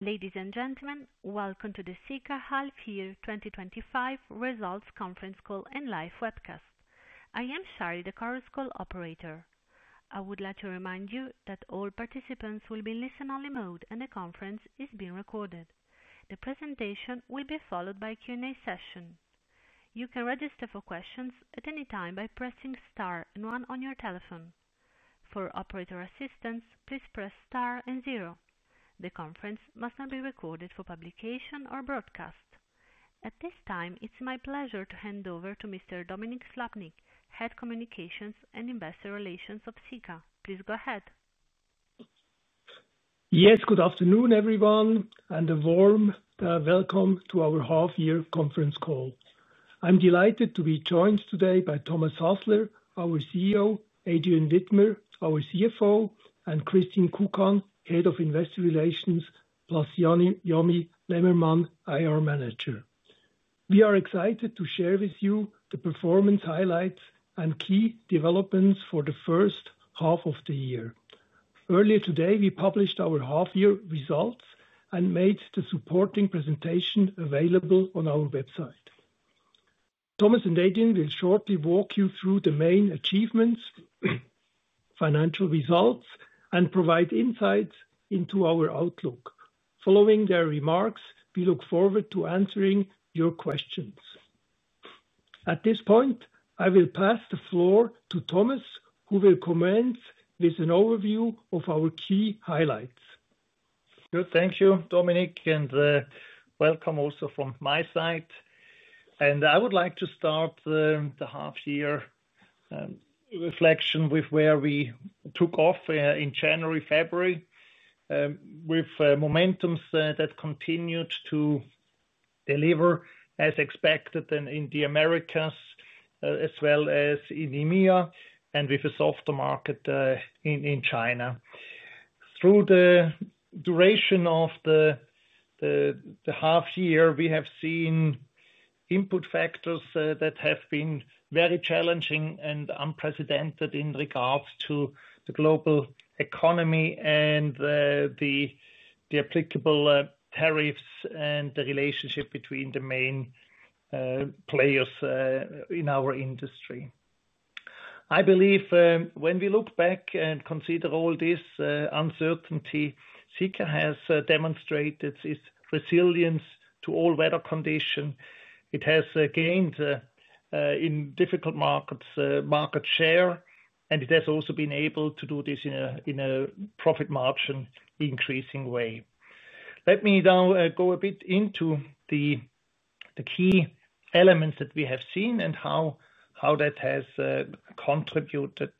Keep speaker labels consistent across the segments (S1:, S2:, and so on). S1: Ladies and gentlemen, welcome to the Sika Half Year 2025 Results Conference Call and Live Webcast. I am Shari, the Chorus Call operator. I would like to remind you that all participants will be in listen-only mode and the conference is being recorded. The presentation will be followed by a Q&A session. You can register for questions at any time by pressing star and one on your telephone. For operator assistance, please press star and zero. The conference must not be recorded for publication or broadcast. At this time, it's my pleasure to hand over to Mr. Dominik Slappnig, Head Communications and Investor Relations of Sika. Please go ahead.
S2: Yes, good afternoon, everyone, and a warm welcome to our Half Year Conference Call. I'm delighted to be joined today by Thomas Hasler, our CEO, Adrian Widmer, our CFO, and Christine Kukan, Head of Investor Relations, plus Jomi Lemmermann, IR Manager. We are excited to share with you the performance highlights and key developments for the first half of the year. Earlier today, we published our half-year results and made the supporting presentation available on our website. Thomas and Adrian will shortly walk you through the main achievements, financial results, and provide insights into our outlook. Following their remarks, we look forward to answering your questions. At this point, I will pass the floor to Thomas, who will commence with an overview of our key highlights.
S3: Good, thank you, Dominik, and welcome also from my side. I would like to start the half-year reflection with where we took off in January, February, with momentums that continued to deliver as expected in the Americas as well as in EMEA and with a softer market in China. Through the duration of the half-year, we have seen input factors that have been very challenging and unprecedented in regards to the global economy and the applicable tariffs and the relationship between the main players in our industry. I believe when we look back and consider all this uncertainty, Sika has demonstrated its resilience to all weather conditions. It has gained in difficult markets market share, and it has also been able to do this in a profit margin increasing way. Let me now go a bit into the key elements that we have seen and how that has contributed.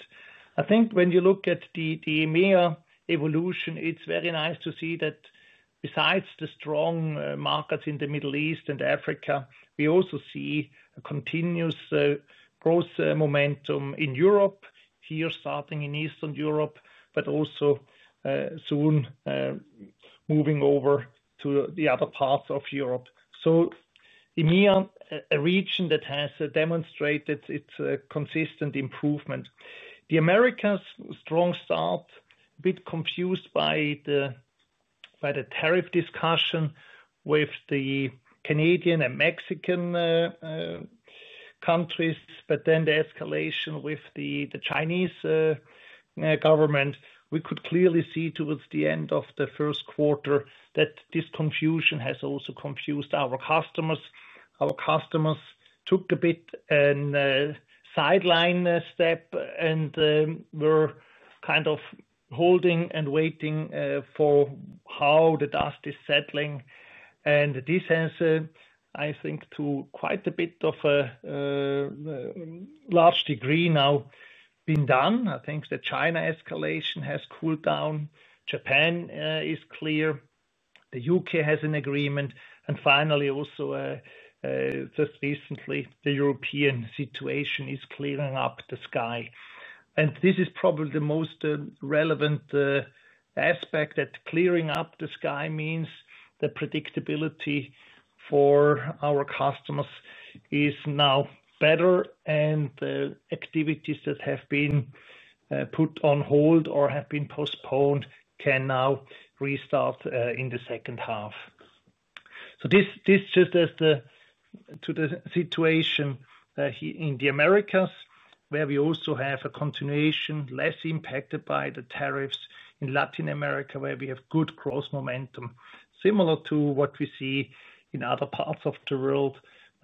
S3: I think when you look at the EMEA evolution, it is very nice to see that besides the strong markets in the Middle East and Africa, we also see a continuous growth momentum in Europe, here starting in Eastern Europe, but also soon moving over to the other parts of Europe. EMEA, a region that has demonstrated its consistent improvement. The Americas' strong start, a bit confused by the tariff discussion with the Canadian and Mexican countries, but then the escalation with the Chinese government, we could clearly see towards the end of the first quarter that this confusion has also confused our customers. Our customers took a bit of a sideline step and were kind of holding and waiting for how the dust is settling. This has, I think, to quite a bit of a large degree now been done. I think the China escalation has cooled down. Japan is clear. The U.K. has an agreement. Finally, also just recently, the European situation is clearing up the sky. This is probably the most relevant aspect, that clearing up the sky means the predictability for our customers is now better, and the activities that have been put on hold or have been postponed can now restart in the second half. This just as the situation in the Americas where we also have a continuation, less impacted by the tariffs, in Latin America where we have good growth momentum, similar to what we see in other parts of the world.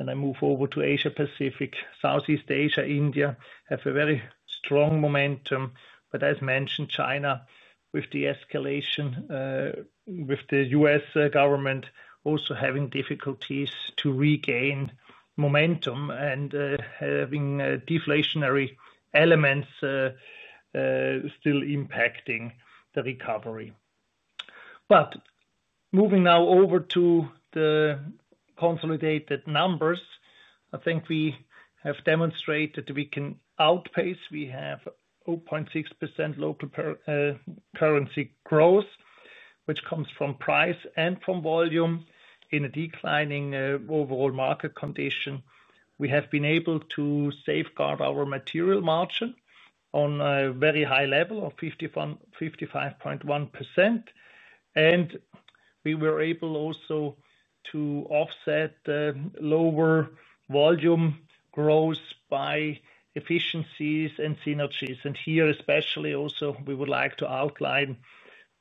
S3: I move over to Asia-Pacific, Southeast Asia, India have a very strong momentum. As mentioned, China with the escalation. With the U.S. government also having difficulties to regain momentum and having deflationary elements. Still impacting the recovery. Moving now over to the consolidated numbers, I think we have demonstrated that we can outpace. We have 0.6% local currency growth, which comes from price and from volume in a declining overall market condition. We have been able to safeguard our material margin on a very high level of 55.1%. We were able also to offset lower volume growth by efficiencies and synergies. Here especially also, we would like to outline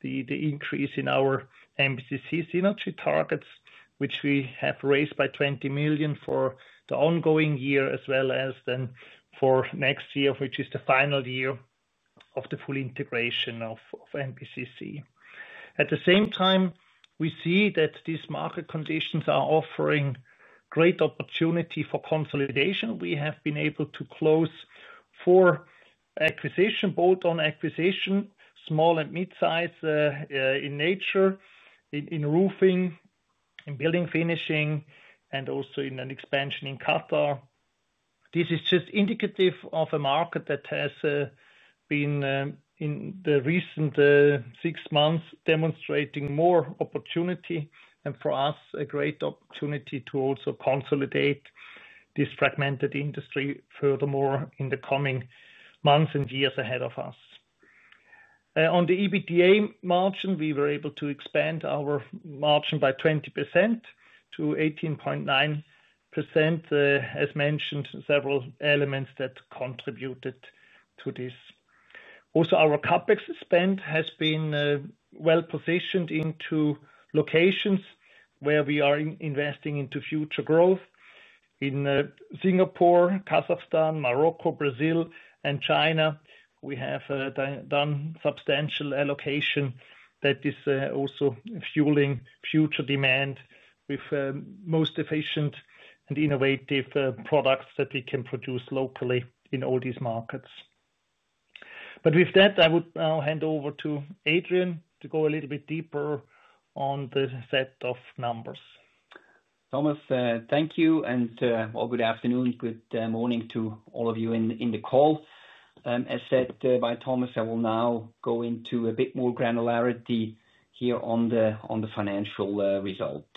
S3: the increase in our MBCC synergy targets, which we have raised by $20 million for the ongoing year as well as then for next year, which is the final year of the full integration of MBCC. At the same time, we see that these market conditions are offering great opportunity for consolidation. We have been able to close four acquisitions, bolt-on acquisition, small and mid-size in nature, in roofing, in building finishing, and also in an expansion in Qatar. This is just indicative of a market that has been in the recent six months demonstrating more opportunity and for us a great opportunity to also consolidate this fragmented industry furthermore in the coming months and years ahead of us. On the EBITDA margin, we were able to expand our margin by 20%-18.9%. As mentioned, several elements that contributed to this. Also, our CapEx spend has been well positioned into locations where we are investing into future growth. In Singapore, Kazakhstan, Morocco, Brazil, and China, we have done substantial allocation that is also fueling future demand with most efficient and innovative products that we can produce locally in all these markets. With that, I would now hand over to Adrian to go a little bit deeper on the set of numbers.
S4: Thomas, thank you. Good afternoon, good morning to all of you on the call. As said by Thomas, I will now go into a bit more granularity here on the financial result.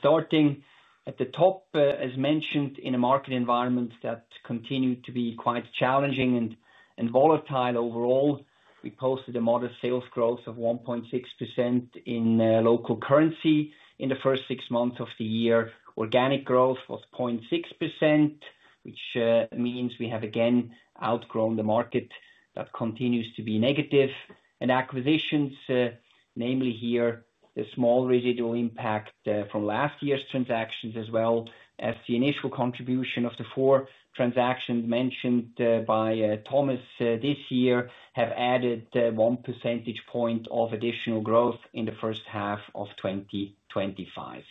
S4: Starting at the top, as mentioned, in a market environment that continued to be quite challenging and volatile overall, we posted a modest sales growth of 1.6% in local currency in the first six months of the year. Organic growth was 0.6%, which means we have again outgrown the market. That continues to be negative. Acquisitions, namely here the small residual impact from last year's transactions as well as the initial contribution of the four transactions mentioned by Thomas this year, have added 1 percentage point of additional growth in the first half of 2025.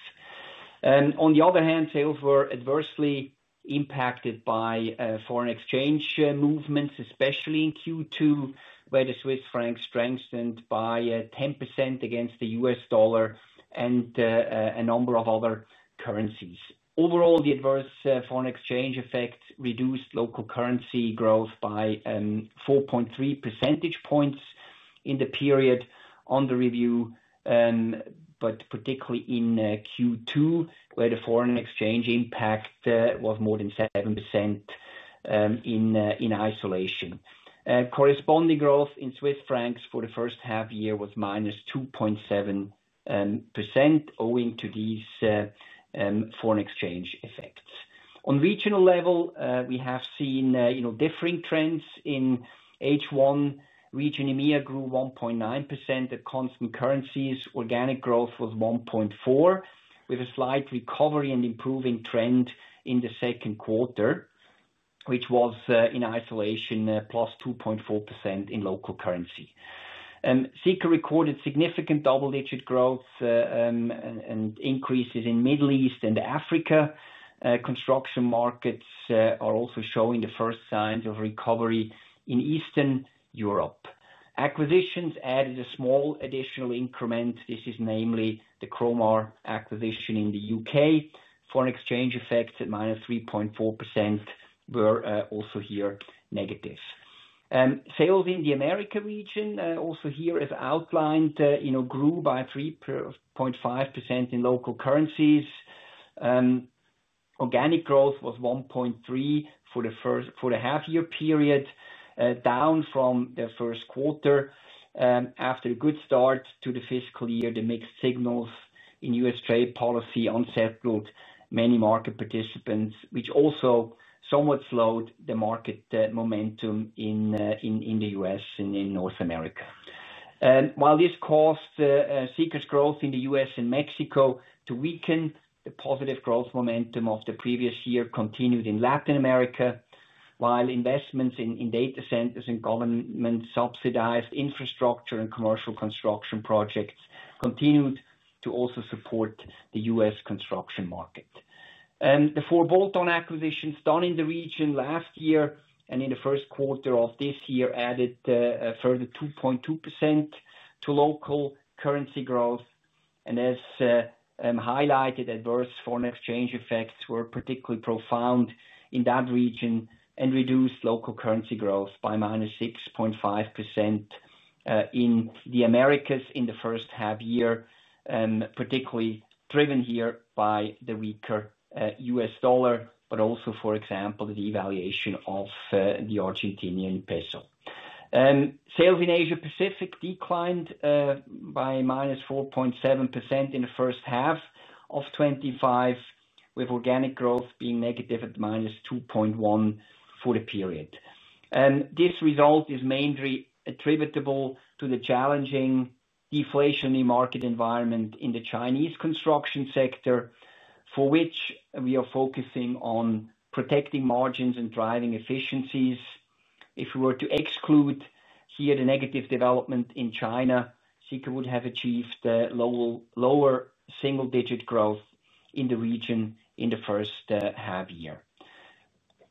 S4: On the other hand, sales were adversely impacted by foreign exchange movements, especially in Q2, where the Swiss franc strengthened by 10% against the U.S. dollar and a number of other currencies. Overall, the adverse foreign exchange effect reduced local currency growth by 4.3 percentage points in the period under review, particularly in Q2, where the foreign exchange impact was more than 7% in isolation. Corresponding growth in Swiss francs for the first half year was -2.7% owing to these foreign exchange effects. On a regional level, we have seen differing trends in H1. Region EMEA grew 1.9% at constant currencies. Organic growth was 1.4% with a slight recovery and improving trend in the second quarter, which was in isolation +2.4% in local currency. Sika recorded significant double-digit growth and increases in the Middle East and Africa. Construction markets are also showing the first signs of recovery in Eastern Europe. Acquisitions added a small additional increment, namely the Cromar acquisition in the U.K. Foreign exchange effects at -3.4% were also negative. Sales in the Americas region, also as outlined, grew by 3.5% in local currencies. Organic growth was 1.3% for the half-year period, down from the first quarter. After a good start to the fiscal year, the mixed signals in U.S. trade policy unsettled many market participants, which also somewhat slowed the market momentum in the U.S. and in North America. While this caused Sika's growth in the U.S. and Mexico to weaken, the positive growth momentum of the previous year continued in Latin America, while investments in data centers and government-subsidized infrastructure and commercial construction projects continued to also support the U.S. construction market. The four bolt-on acquisitions done in the region last year and in the first quarter of this year added further 2.2% to local currency growth. As highlighted, adverse foreign exchange effects were particularly profound in that region and reduced local currency growth by -6.5%. In the Americas in the first half year, particularly driven here by the weaker U.S. dollar, but also, for example, the devaluation of the Argentine peso. Sales in Asia-Pacific declined by -4.7% in the first half of 2025, with organic growth being negative at -2.1% for the period. This result is mainly attributable to the challenging deflationary market environment in the Chinese construction sector, for which we are focusing on protecting margins and driving efficiencies. If we were to exclude here the negative development in China, Sika would have achieved lower single-digit growth in the region in the first half year.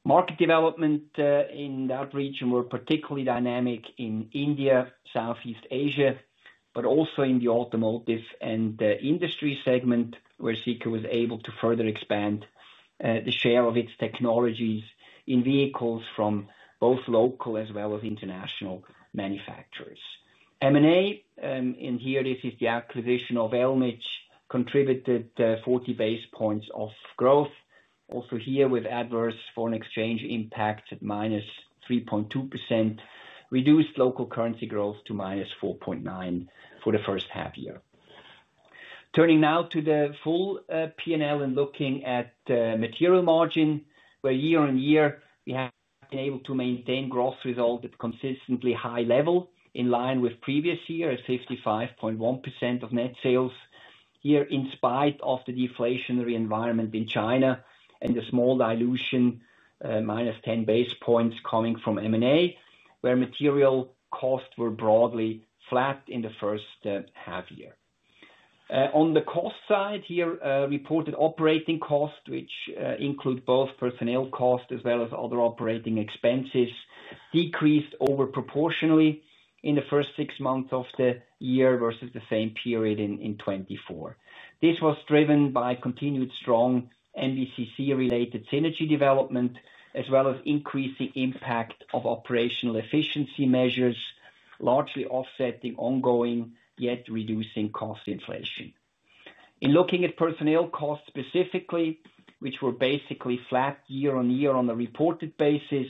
S4: Market development in that region was particularly dynamic in India, Southeast Asia, but also in the automotive and industry segment, where Sika was able to further expand the share of its technologies in vehicles from both local as well as international manufacturers. M&A, and here this is the acquisition of Elmitch, contributed 40 basis points of growth. Also here with adverse foreign exchange impact at -3.2%, reduced local currency growth to -4.9% for the first half year. Turning now to the full P&L and looking at material margin, where year on year, we have been able to maintain growth result at consistently high level in line with previous year at 55.1% of net sales here, in spite of the deflationary environment in China and the small dilution. -10 basis points coming from M&A, where material costs were broadly flat in the first half year. On the cost side here, reported operating costs, which include both personnel costs as well as other operating expenses, decreased overproportionally in the first six months of the year versus the same period in 2024. This was driven by continued strong MBCC-related synergy development as well as increasing impact of operational efficiency measures, largely offsetting ongoing yet reducing cost inflation. In looking at personnel costs specifically, which were basically flat year on year on a reported basis,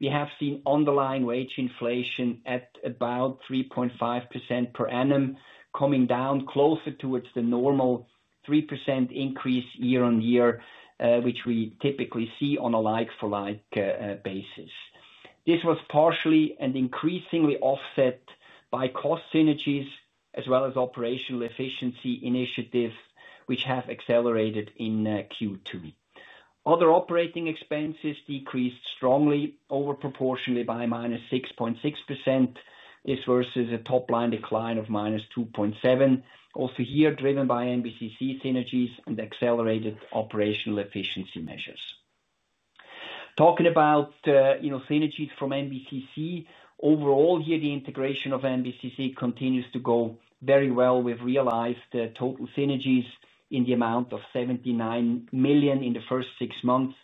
S4: we have seen underlying wage inflation at about 3.5% per annum coming down closer towards the normal 3% increase year on year, which we typically see on a like-for-like basis. This was partially and increasingly offset by cost synergies as well as operational efficiency initiatives, which have accelerated in Q2. Other operating expenses decreased strongly overproportionally by -6.6%. This versus a top-line decline of -2.7%, also here driven by MBCC synergies and accelerated operational efficiency measures. Talking about synergies from MBCC, overall here, the integration of MBCC continues to go very well. We've realized total synergies in the amount of 79 million in the first six months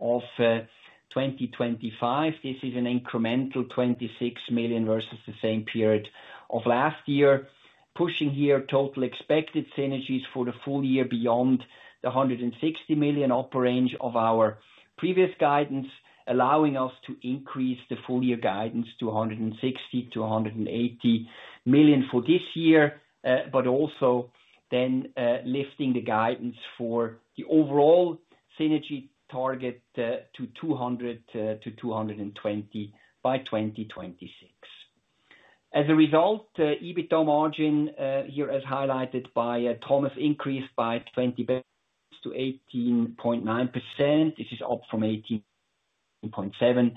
S4: of 2025. This is an incremental 26 million versus the same period of last year, pushing here total expected synergies for the full year beyond the 160 million upper range of our previous guidance, allowing us to increase the full year guidance to 160 million-180 million for this year, but also then lifting the guidance for the overall synergy target to 200 million-220 million by 2026. As a result, EBITDA margin here, as highlighted by Thomas, increased by 20 basis points to 18.9%. This is up from 18.7%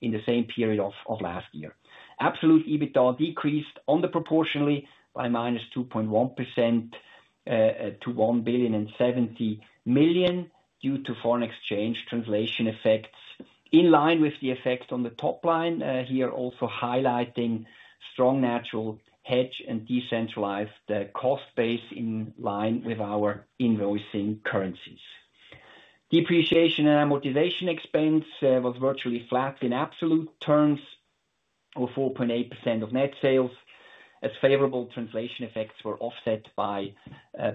S4: in the same period of last year. Absolute EBITDA decreased underproportionally by -2.1% to 1,070 million due to foreign exchange translation effects, in line with the effect on the top line, here also highlighting strong natural hedge and decentralized cost base in line with our invoicing currencies. Depreciation and amortization expense was virtually flat in absolute terms, with 4.8% of net sales, as favorable translation effects were offset by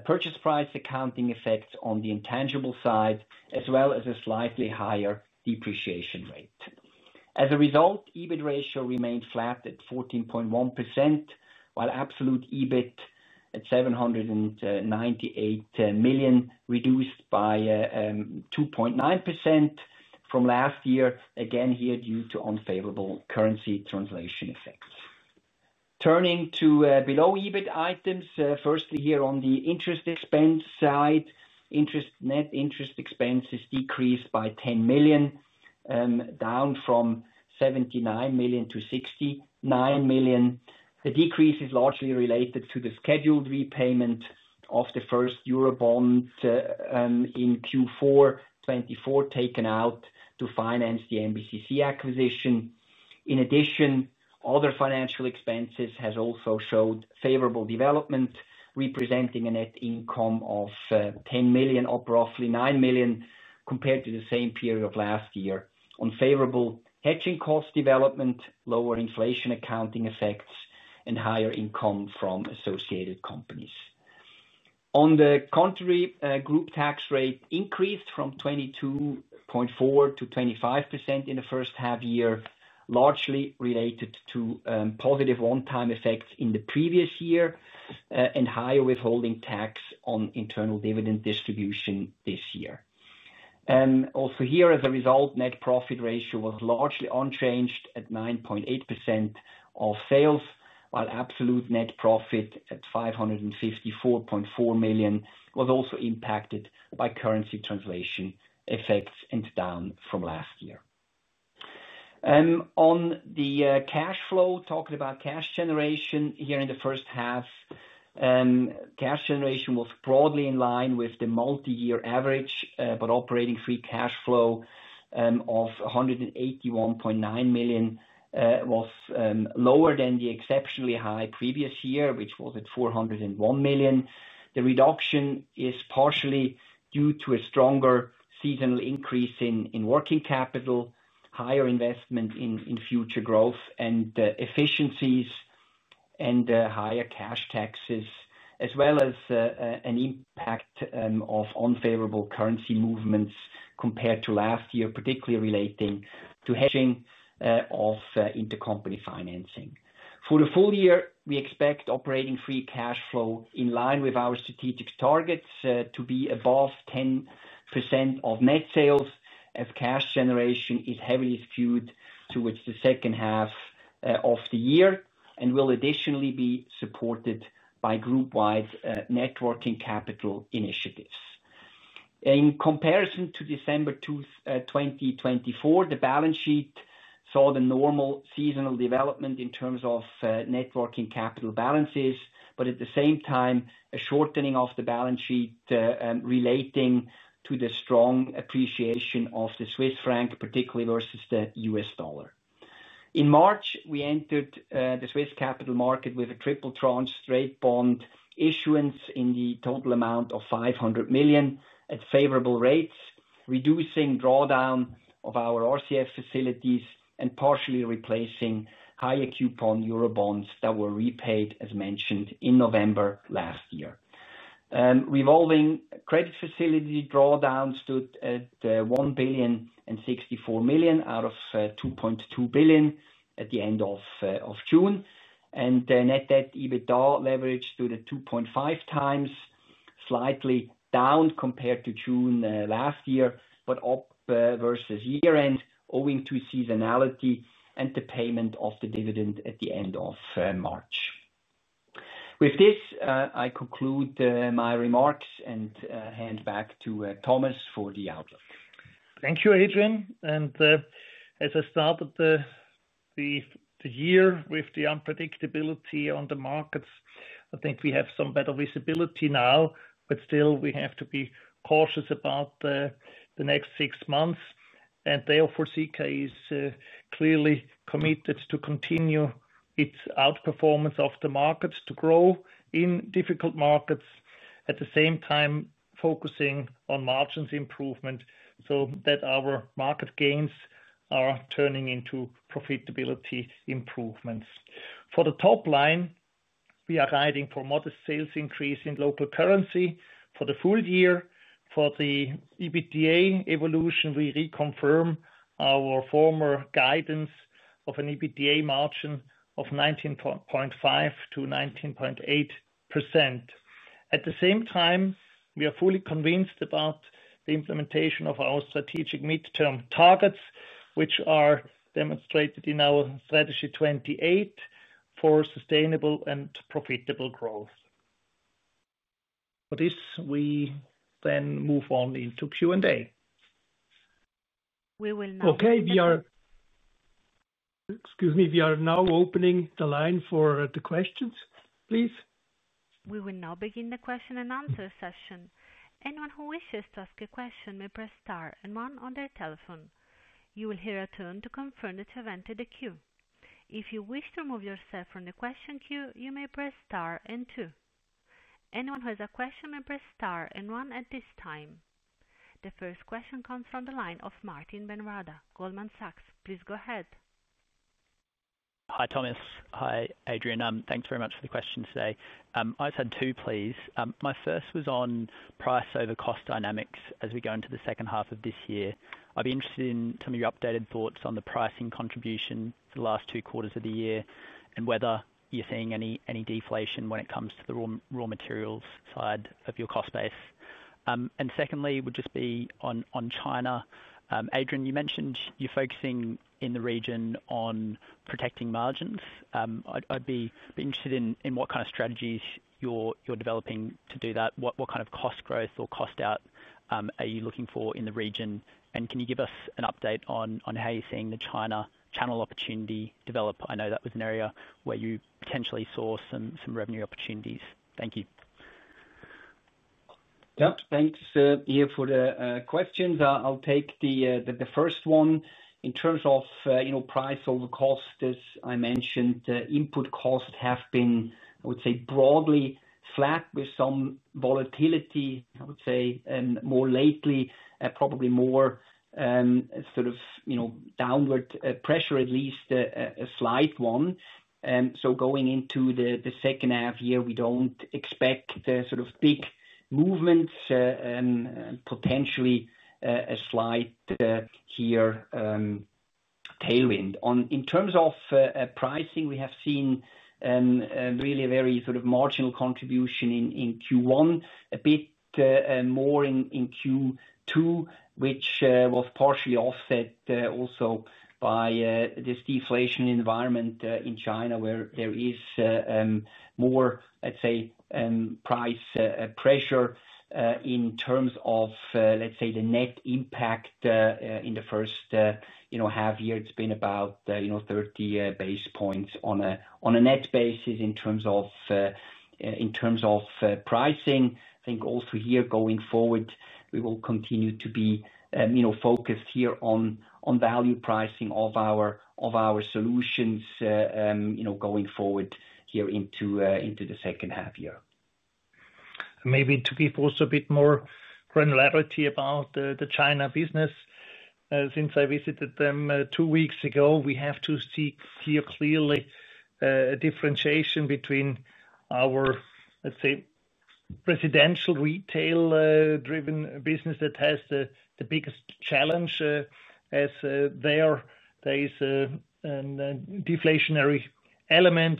S4: purchase price accounting effects on the intangible side, as well as a slightly higher depreciation rate. As a result, EBIT ratio remained flat at 14.1%, while absolute EBIT at 798 million reduced by 2.9% from last year, again here due to unfavorable currency translation effects. Turning to below EBIT items, firstly here on the interest expense side, net interest expenses decreased by 10 million, down from 79 million-69 million. The decrease is largely related to the scheduled repayment of the first Eurobond. In Q4 2024 taken out to finance the MBCC acquisition. In addition, other financial expenses have also showed favorable development, representing a net income of 10 million, up roughly 9 million compared to the same period of last year. Unfavorable hedging cost development, lower inflation accounting effects, and higher income from associated companies. On the contrary, group tax rate increased from 22.4%-25% in the first half year, largely related to positive one-time effects in the previous year and higher withholding tax on internal dividend distribution this year. Also here, as a result, net profit ratio was largely unchanged at 9.8% of sales, while absolute net profit at 554.4 million was also impacted by currency translation effects and down from last year. On the cash flow, talking about cash generation here in the first half. Cash generation was broadly in line with the multi-year average, but operating free cash flow of 181.9 million was lower than the exceptionally high previous year, which was at 401 million. The reduction is partially due to a stronger seasonal increase in working capital, higher investment in future growth and efficiencies, and higher cash taxes, as well as an impact of unfavorable currency movements compared to last year, particularly relating to hedging of intercompany financing. For the full year, we expect operating free cash flow in line with our strategic targets to be above 10% of net sales as cash generation is heavily skewed towards the second half of the year and will additionally be supported by group-wide networking capital initiatives. In comparison to December 2023, the balance sheet saw the normal seasonal development in terms of networking capital balances, but at the same time, a shortening of the balance sheet relating to the strong appreciation of the Swiss franc, particularly versus the U.S. dollar. In March, we entered the Swiss capital market with a triple tranche straight bond issuance in the total amount of 500 million at favorable rates, reducing drawdown of our revolving credit facility and partially replacing higher coupon Eurobonds that were repaid, as mentioned, in November last year. Revolving credit facility drawdown stood at 1 billion and 64 million out of 2.2 billion at the end of June. Net debt/EBITDA leverage stood at 2.5x, slightly down compared to June last year, but up versus year-end owing to seasonality and the payment of the dividend at the end of March. With this, I conclude my remarks and hand back to Thomas for the outlook.
S3: Thank you, Adrian. As I started the year with the unpredictability on the markets, I think we have some better visibility now, but still we have to be cautious about the next six months. Therefore, Sika is clearly committed to continue its outperformance of the markets to grow in difficult markets, at the same time focusing on margins improvement, so that our market gains are turning into profitability improvements. For the top line, we are riding for modest sales increase in local currency for the full year. For the EBITDA evolution, we reconfirm our former guidance of an EBITDA margin of 19.5%-19.8%. At the same time, we are fully convinced about the implementation of our strategic midterm targets, which are demonstrated in our Strategy 2028 for sustainable and profitable growth. With this, we then move on into Q&A.
S1: We will now.
S2: Excuse me, we are now opening the line for the questions, please.
S1: We will now begin the question and answer session. Anyone who wishes to ask a question may press star and one on their telephone. You will hear a tone to confirm that you've entered the queue. If you wish to remove yourself from the question queue, you may press star and two. Anyone who has a question may press star and one at this time. The first question comes from the line of Martin Ben Rada, Goldman Sachs. Please go ahead.
S5: Hi, Thomas. Hi, Adrian. Thanks very much for the question today. I just had two, please. My first was on price over cost dynamics as we go into the second half of this year. I'd be interested in some of your updated thoughts on the pricing contribution for the last two quarters of the year and whether you're seeing any deflation when it comes to the raw materials side of your cost base. Secondly, it would just be on China. Adrian, you mentioned you're focusing in the region on protecting margins. I'd be interested in what kind of strategies you're developing to do that. What kind of cost growth or cost out are you looking for in the region? Can you give us an update on how you're seeing the China channel opportunity develop? I know that was an area where you potentially saw some revenue opportunities. Thank you.
S4: Yeah, thanks here for the questions. I'll take the first one. In terms of price over cost, as I mentioned, input costs have been, I would say, broadly flat with some volatility, I would say, and more lately, probably more sort of downward pressure, at least a slight one. Going into the second half year, we do not expect sort of big movements. Potentially, a slight tailwind. In terms of pricing, we have seen really a very sort of marginal contribution in Q1, a bit more in Q2, which was partially offset also by this deflation environment in China, where there is more, I would say, price pressure. In terms of, let's say, the net impact in the first half year, it has been about 30 basis points on a net basis in terms of pricing. I think also here, going forward, we will continue to be focused here on value pricing of our solutions going forward here into the second half year.
S3: Maybe to give also a bit more granularity about the China business. Since I visited them two weeks ago, we have to see here clearly a differentiation between our, let's say, presidential retail-driven business that has the biggest challenge, as there, there is a deflationary element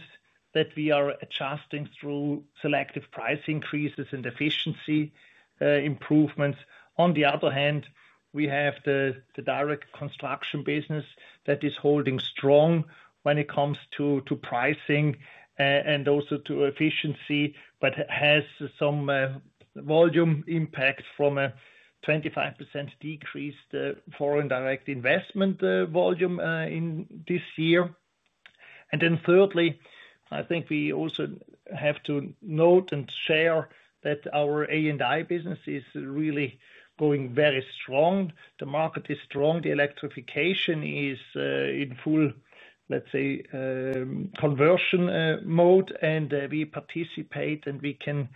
S3: that we are adjusting through selective price increases and efficiency improvements. On the other hand, we have the direct construction business that is holding strong when it comes to pricing and also to efficiency, but has some volume impact from a 25% decreased foreign direct investment volume in this year. Thirdly, I think we also have to note and share that our A&I business is really going very strong. The market is strong. The electrification is in full, let's say, conversion mode, and we participate and we can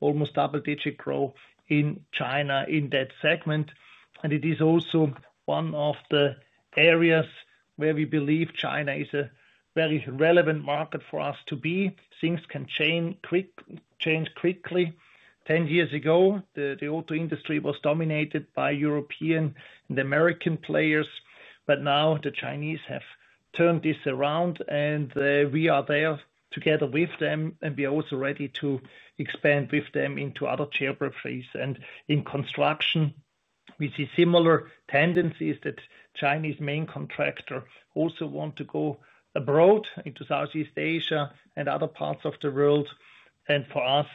S3: almost double-digit grow in China in that segment. It is also one of the areas where we believe China is a very relevant market for us to be. Things can change quickly. 10 years ago, the auto industry was dominated by European and American players, but now the Chinese have turned this around, and we are there together with them, and we are also ready to expand with them into other geographies. In construction, we see similar tendencies that Chinese main contractor also want to go abroad into Southeast Asia and other parts of the world. For us,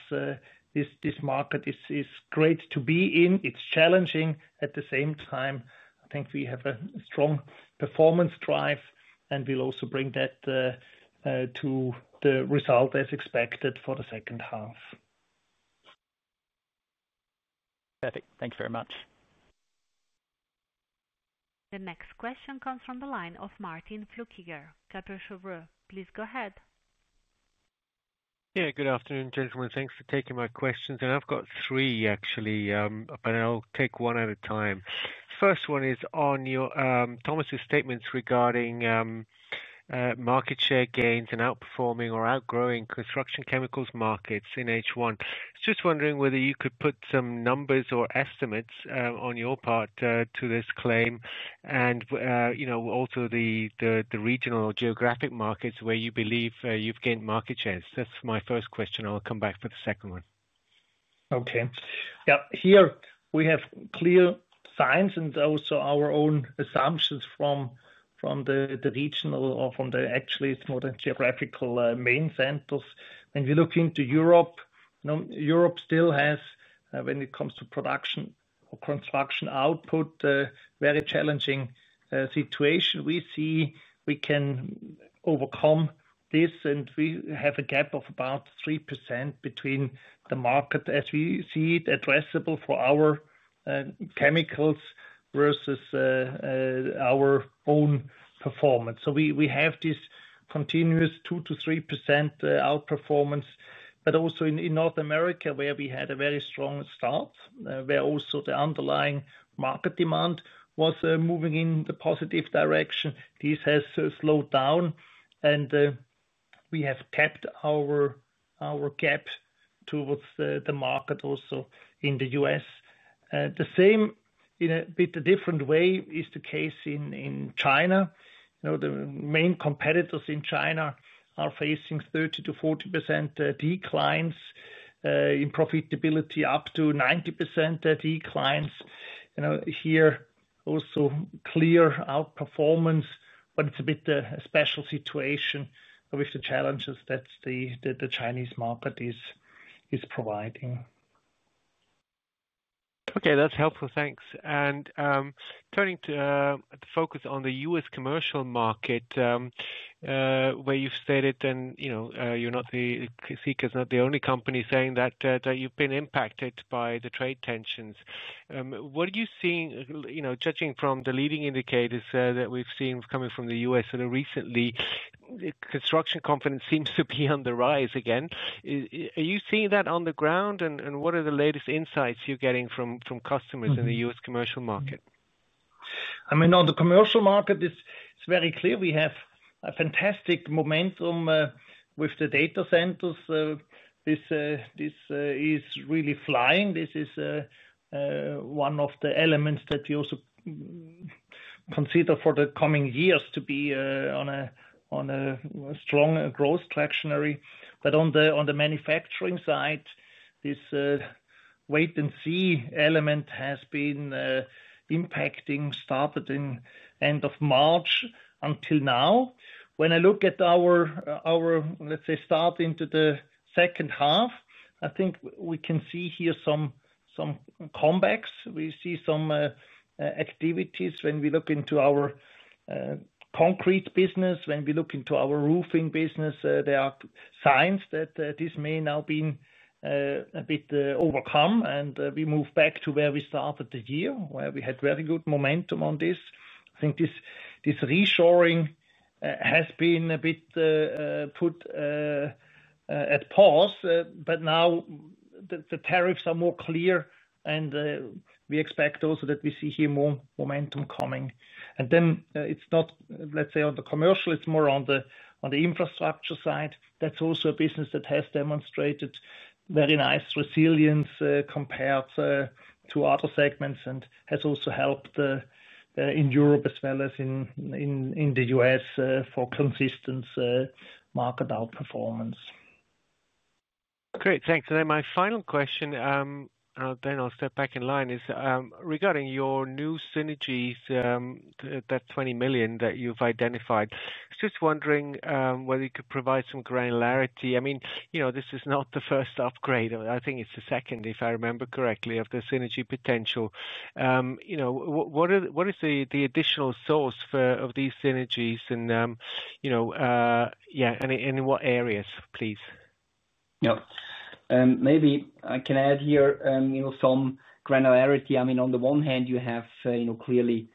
S3: this market is great to be in. It is challenging. At the same time, I think we have a strong performance drive, and we will also bring that to the result as expected for the second half.
S5: Perfect. Thank you very much.
S1: The next question comes from the line of Martin Flueckiger, Kepler Cheuvreux. Please go ahead.
S6: Yeah, good afternoon, gentlemen. Thanks for taking my questions. I have got three, actually, but I will take one at a time. First one is on Thomas's statements regarding market share gains and outperforming or outgrowing construction chemicals markets in H1. Just wondering whether you could put some numbers or estimates on your part to this claim and also the regional or geographic markets where you believe you've gained market shares. That's my first question. I'll come back for the second one.
S3: Okay. Yeah. Here we have clear signs and also our own assumptions from the regional or from the actually geographical main centers. When we look into Europe, Europe still has, when it comes to production or construction output, a very challenging situation. We see we can overcome this, and we have a gap of about 3% between the market, as we see it, addressable for our chemicals versus our own performance. So we have this continuous 2%-3% outperformance. Also in North America, where we had a very strong start, where also the underlying market demand was moving in the positive direction, this has slowed down. We have tapped our gap towards the market also in the U.S. The same in a bit a different way is the case in China. The main competitors in China are facing 30%-40% declines in profitability, up to 90% declines. Here, also clear outperformance, but it's a bit a special situation with the challenges that the Chinese market is providing.
S6: Okay, that's helpful. Thanks. Turning to focus on the U.S. commercial market, where you've stated and Sika is not the only company saying that you've been impacted by the trade tensions. What are you seeing, judging from the leading indicators that we've seen coming from the U.S. recently? Construction confidence seems to be on the rise again. Are you seeing that on the ground, and what are the latest insights you're getting from customers in the U.S. commercial market?
S3: I mean, on the commercial market, it's very clear we have a fantastic momentum with the data centers. This is really flying. This is one of the elements that we also consider for the coming years to be on a strong growth tractionary. On the manufacturing side, this wait and see element has been impacting, started in the end of March until now. When I look at our, let's say, start into the second half, I think we can see here some comebacks. We see some activities when we look into our concrete business, when we look into our roofing business. There are signs that this may now be. A bit overcome, and we move back to where we started the year, where we had very good momentum on this. I think this reshoring has been a bit put at pause, but now the tariffs are more clear, and we expect also that we see here more momentum coming. It is not, let's say, on the commercial, it is more on the infrastructure side. That is also a business that has demonstrated very nice resilience compared to other segments and has also helped in Europe as well as in the U.S. for consistent market outperformance.
S6: Great, thanks. My final question, then I will step back in line, is regarding your new synergies. That 20 million that you have identified. Just wondering whether you could provide some granularity. I mean, this is not the first upgrade. I think it is the second, if I remember correctly, of the synergy potential. What is the additional source of these synergies? In what areas, please?
S4: Yeah, maybe I can add here some granularity. I mean, on the one hand, you have clearly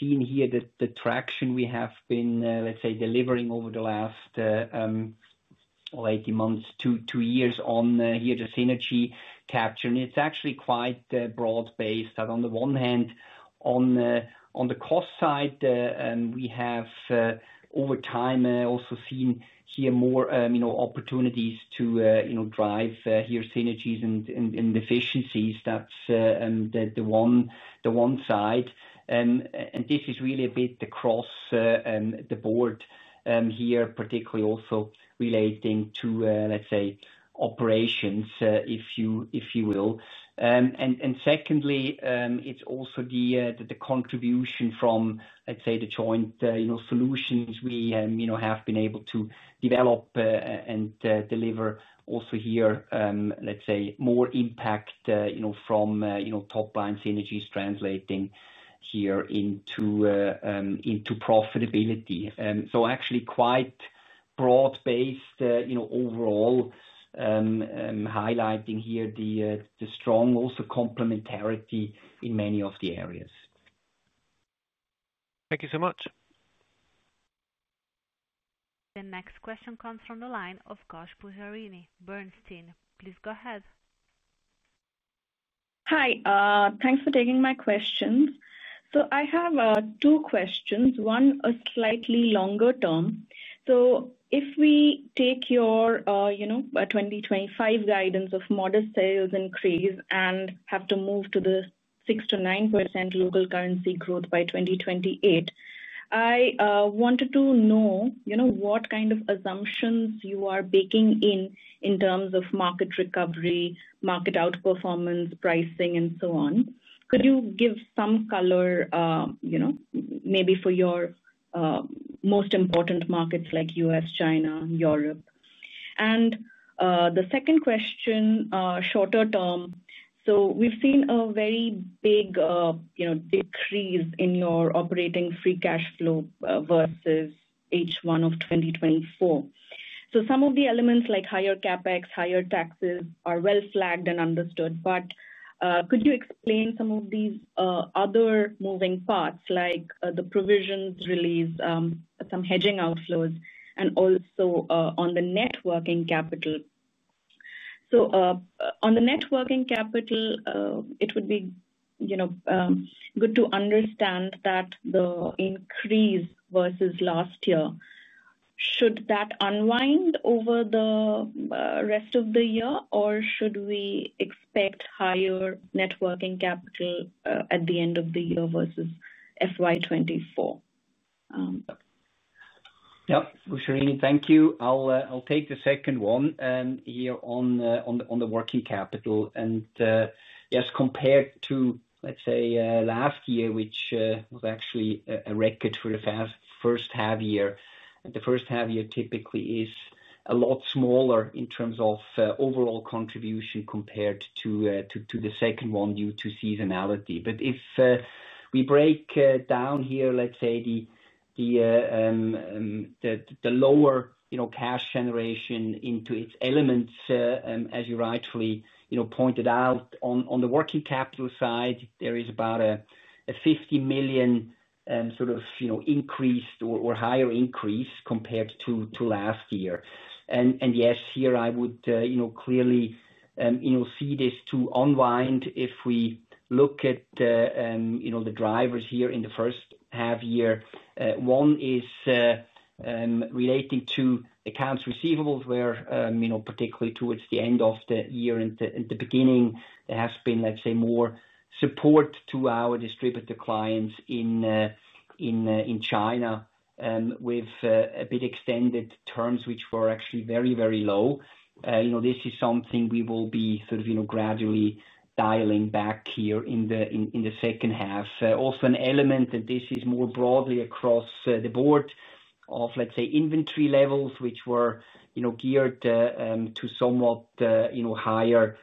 S4: seen here that the traction we have been, let's say, delivering over the last 18 months to two years on here the synergy capture, and it is actually quite broad-based. On the one hand, on the cost side, we have over time also seen here more opportunities to drive here synergies and efficiencies. That is the one side, and this is really a bit across the board here, particularly also relating to, let's say, operations, if you will. Secondly, it is also the contribution from, let's say, the joint solutions we have been able to develop and deliver also here, let's say, more impact from top-line synergies translating here into profitability. So actually quite broad-based overall, highlighting here the strong also complementarity in many of the areas.
S6: Thank you so much.
S1: The next question comes from the line of Ghosh Pujarini, Bernstein. Please go ahead.
S7: Hi, thanks for taking my questions. I have two questions. One a slightly longer term. If we take your 2025 guidance of modest sales increase and have to move to the 6%-9% local currency growth by 2028, I wanted to know what kind of assumptions you are baking in in terms of market recovery, market outperformance, pricing, and so on. Could you give some color, maybe for your most important markets like U.S., China, Europe? The second question, shorter term. We have seen a very big decrease in your operating free cash flow versus H1 of 2024. Some of the elements like higher CapEx, higher taxes are well flagged and understood. Could you explain some of these other moving parts like the provisions release, some hedging outflows, and also on the working capital? On the working capital, it would be good to understand the increase versus last year. Should that unwind over the rest of the year, or should we expect higher working capital at the end of the year versus 2024?
S4: Yeah. Pujarini, thank you. I'll take the second one here on the working capital. Compared to, let's say, last year, which was actually a record for the first half year, the first half year typically is a lot smaller in terms of overall contribution compared to the second one due to seasonality. If we break down the lower cash generation into its elements, as you rightfully pointed out, on the working capital side, there is about a 50 million sort of increase or higher increase compared to last year. Here I would clearly see this to unwind if we look at the drivers in the first half year. One is relating to accounts receivables where, particularly towards the end of the year and the beginning, there has been more support to our distributor clients in China with a bit extended terms which were actually very, very low. This is something we will be gradually dialing back in the second half. Also an element, and this is more broadly across the board, of inventory levels which were geared to somewhat higher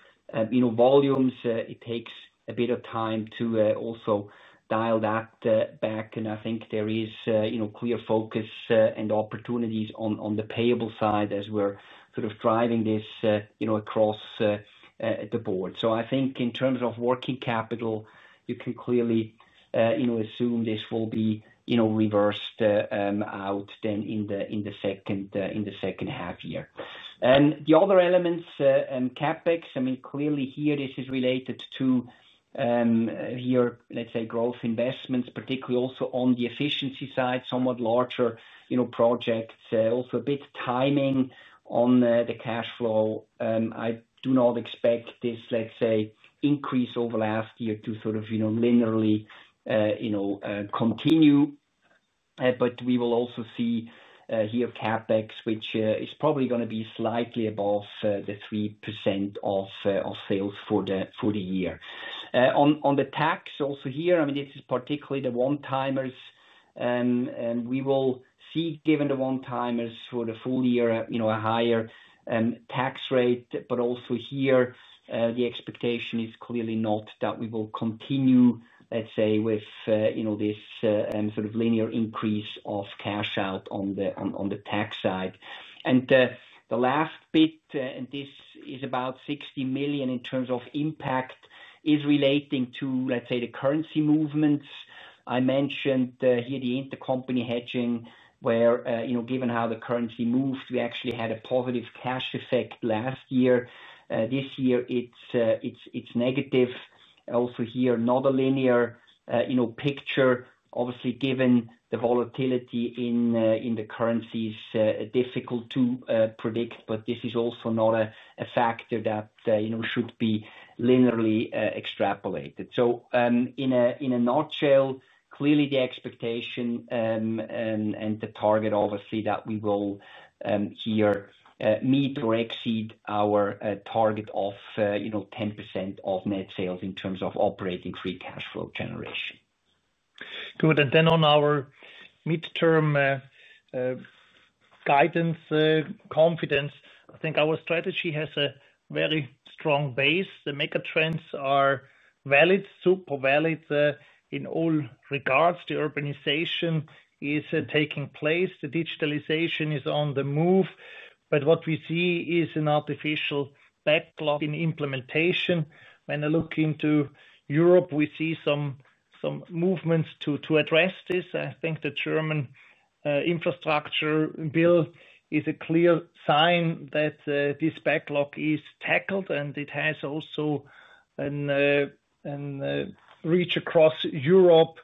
S4: volumes. It takes a bit of time to also dial that back. I think there is clear focus and opportunities on the payable side as we're driving this across the board. In terms of working capital, you can clearly assume this will be reversed out in the second half year. The other elements, CapEx, clearly this is related to growth investments, particularly also on the efficiency side, somewhat larger projects, also a bit timing on the cash flow. I do not expect this increase over last year to linearly continue. We will also see CapEx, which is probably going to be slightly above 3% of sales for the year. On the tax, this is particularly the one-timers. We will see, given the one-timers for the full year, a higher tax rate. But also here, the expectation is clearly not that we will continue, let's say, with this sort of linear increase of cash out on the tax side. The last bit, and this is about 60 million in terms of impact, is relating to, let's say, the currency movements. I mentioned here the intercompany hedging where, given how the currency moved, we actually had a positive cash effect last year. This year, it's negative. Also here, not a linear picture. Obviously, given the volatility in the currencies, difficult to predict, but this is also not a factor that should be linearly extrapolated. In a nutshell, clearly the expectation and the target, obviously, that we will here meet or exceed our target of 10% of net sales in terms of operating free cash flow generation.
S3: Good. On our midterm guidance, confidence, I think our strategy has a very strong base. The megatrends are valid, super valid in all regards. The urbanization is taking place. The digitalization is on the move. What we see is an artificial backlog in implementation. When I look into Europe, we see some movements to address this. I think the German infrastructure bill is a clear sign that this backlog is tackled, and it has also a reach across Europe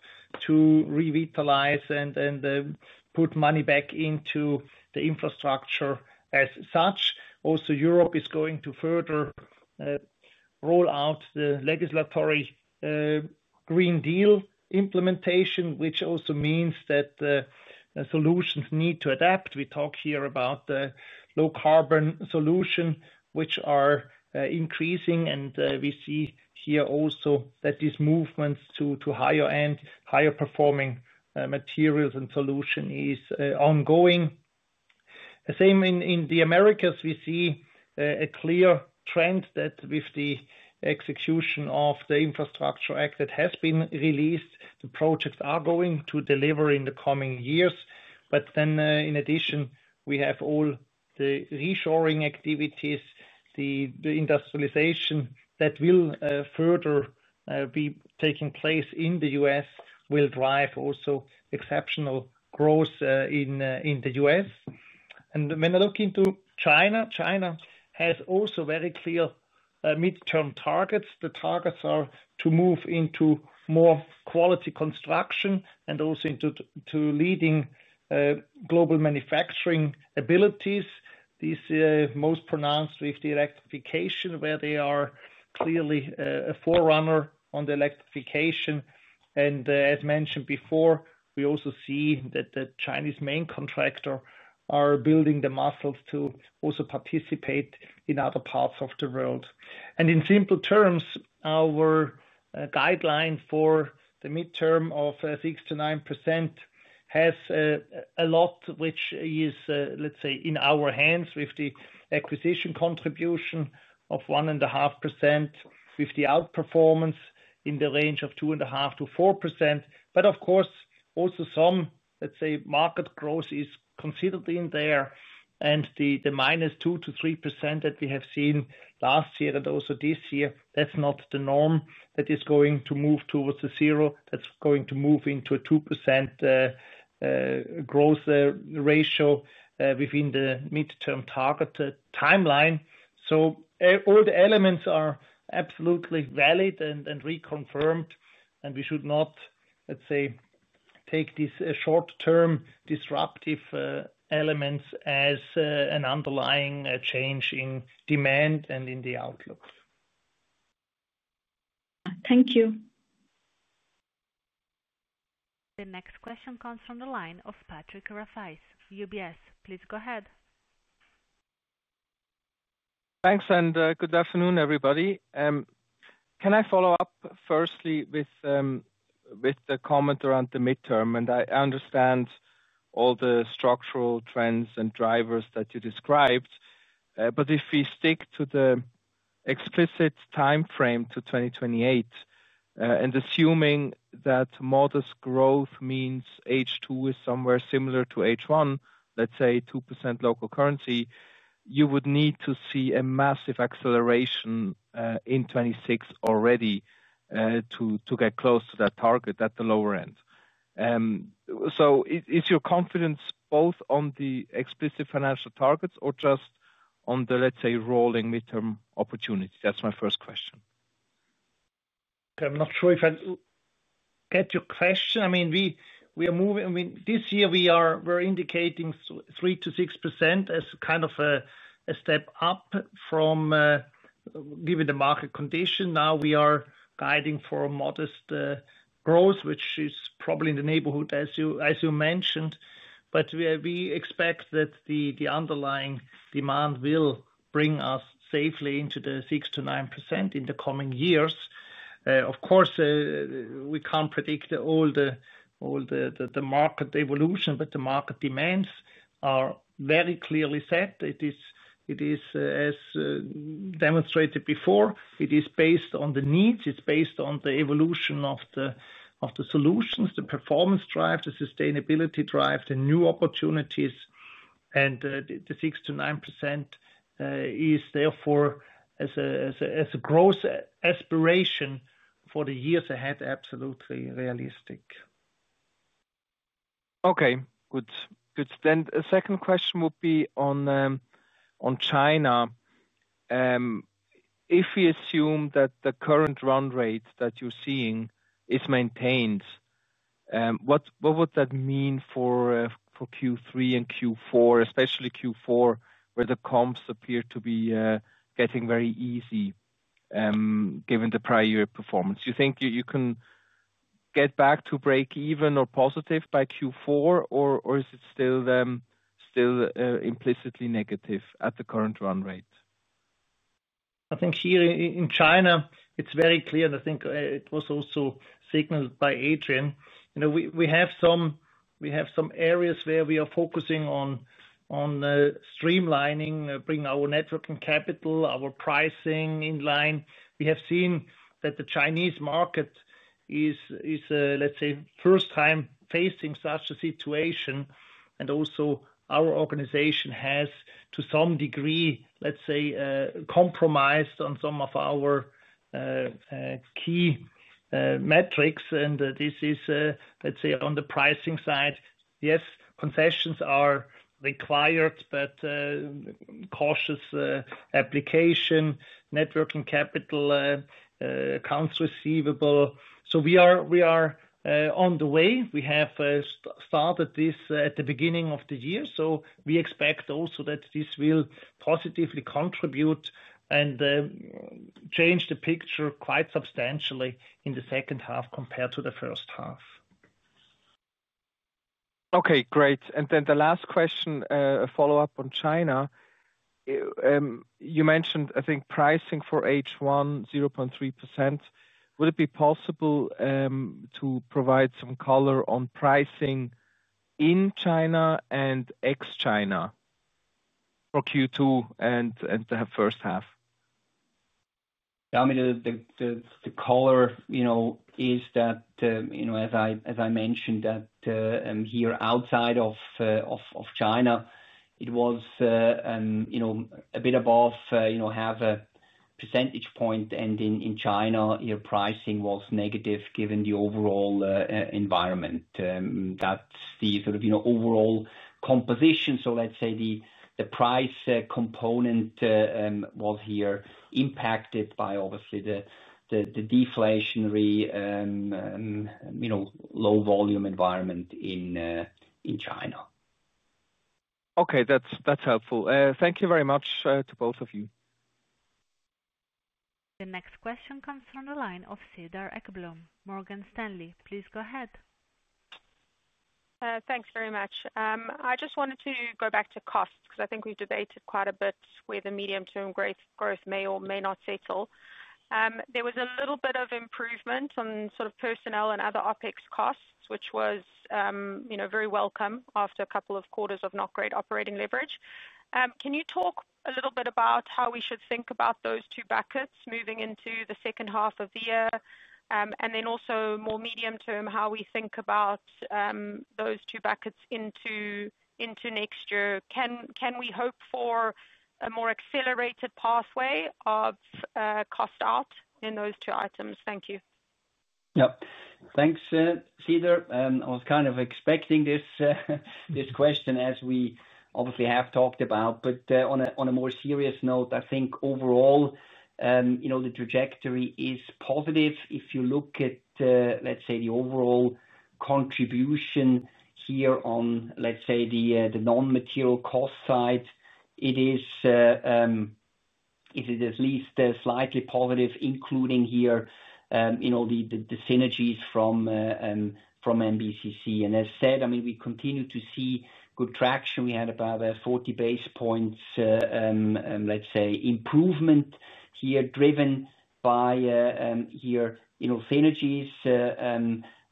S3: to revitalize and put money back into the infrastructure as such. Also, Europe is going to further roll out the legislatory Green Deal implementation, which also means that solutions need to adapt. We talk here about the low-carbon solution, which are increasing. We see here also that these movements to higher-end, higher-performing materials and solutions are ongoing. Same in the Americas, we see a clear trend that with the execution of the Infrastructure Act that has been released, the projects are going to deliver in the coming years. In addition, we have all the reshoring activities, the industrialization that will further be taking place in the U.S. will drive also exceptional growth in the U.S. When I look into China, China has also very clear midterm targets. The targets are to move into more quality construction and also into leading global manufacturing abilities. These are most pronounced with the electrification, where they are clearly a forerunner on the electrification. As mentioned before, we also see that the Chinese main contractor is building the muscles to also participate in other parts of the world. In simple terms, our guideline for the midterm of 6%-9%. Has a lot which is, let's say, in our hands with the acquisition contribution of 1.5%, with the outperformance in the range of 2.5%-4%. Of course, also some, let's say, market growth is considered in there. The minus 2%-3% that we have seen last year and also this year, that's not the norm that is going to move towards zero. That is going to move into a 2% growth ratio within the midterm target timeline. All the elements are absolutely valid and reconfirmed. We should not, let's say, take these short-term disruptive elements as an underlying change in demand and in the outlook.
S7: Thank you.
S1: The next question comes from the line of Patrick Rafaisz, UBS.Please go ahead.
S8: Thanks. Good afternoon, everybody. Can I follow up firstly with the comment around the midterm? I understand all the structural trends and drivers that you described. If we stick to the explicit timeframe to 2028, and assuming that modest growth means H2 is somewhere similar to H1, let's say 2% local currency, you would need to see a massive acceleration in 2026 already to get close to that target at the lower end. Is your confidence both on the explicit financial targets or just on the, let's say, rolling midterm opportunity? That's my first question.
S3: I'm not sure if I get your question. I mean, this year, we're indicating 3%-6% as kind of a step up from, given the market condition. Now we are guiding for modest growth, which is probably in the neighborhood, as you mentioned. We expect that the underlying demand will bring us safely into the 6%-9% in the coming years. Of course, we can't predict all the market evolution, but the market demands are very clearly set. It is, as demonstrated before, it is based on the needs. It's based on the evolution of the solutions, the performance drive, the sustainability drive, the new opportunities. The 6%-9% is therefore as a growth aspiration for the years ahead, absolutely realistic.
S8: Okay. Good. Good. The second question would be on China. If we assume that the current run rate that you're seeing is maintained, what would that mean for Q3 and Q4, especially Q4, where the comps appear to be getting very easy given the prior year performance? Do you think you can get back to break-even or positive by Q4, or is it still implicitly negative at the current run rate?
S3: I think here in China, it's very clear, and I think it was also signaled by Adrian. We have some. Areas where we are focusing on. Streamlining, bringing our working capital, our pricing in line. We have seen that the Chinese market is, let's say, first time facing such a situation. And also our organization has, to some degree, let's say, compromised on some of our key metrics. And this is, let's say, on the pricing side. Yes, concessions are required, but cautious application, working capital, accounts receivable. So we are on the way. We have started this at the beginning of the year. So we expect also that this will positively contribute and change the picture quite substantially in the second half compared to the first half.
S8: Okay. Great. And then the last question, a follow-up on China. You mentioned, I think, pricing for H1, 0.3%. Would it be possible to provide some color on pricing in China and ex-China for Q2 and the first half?
S4: Yeah. I mean, the color is that, as I mentioned, that here outside of China, it was a bit above half a percentage point. And in China, your pricing was negative given the overall environment. That's the sort of overall composition. So let's say the price component was here impacted by, obviously, the deflationary, low-volume environment in China.
S8: Okay. That's helpful. Thank you very much to both of you.
S1: The next question comes from the line of Cedar Ekblom, Morgan Stanley, please go ahead.
S9: Thanks very much. I just wanted to go back to costs because I think we've debated quite a bit where the medium-term growth may or may not settle. There was a little bit of improvement on sort of personnel and other OpEx costs, which was very welcome after a couple of quarters of not great operating leverage. Can you talk a little bit about how we should think about those two buckets moving into the second half of the year? And then also more medium-term, how we think about those two buckets into next year? Can we hope for a more accelerated pathway of cost out in those two items? Thank you.
S4: Yep. Thanks, Cedar. I was kind of expecting this question as we obviously have talked about. But on a more serious note, I think overall the trajectory is positive. If you look at, let's say, the overall contribution here on, let's say, the non-material cost side, it is at least slightly positive, including here the synergies from MBCC. And as said, I mean, we continue to see good traction. We had about 40 basis points, let's say, improvement here driven by here synergies.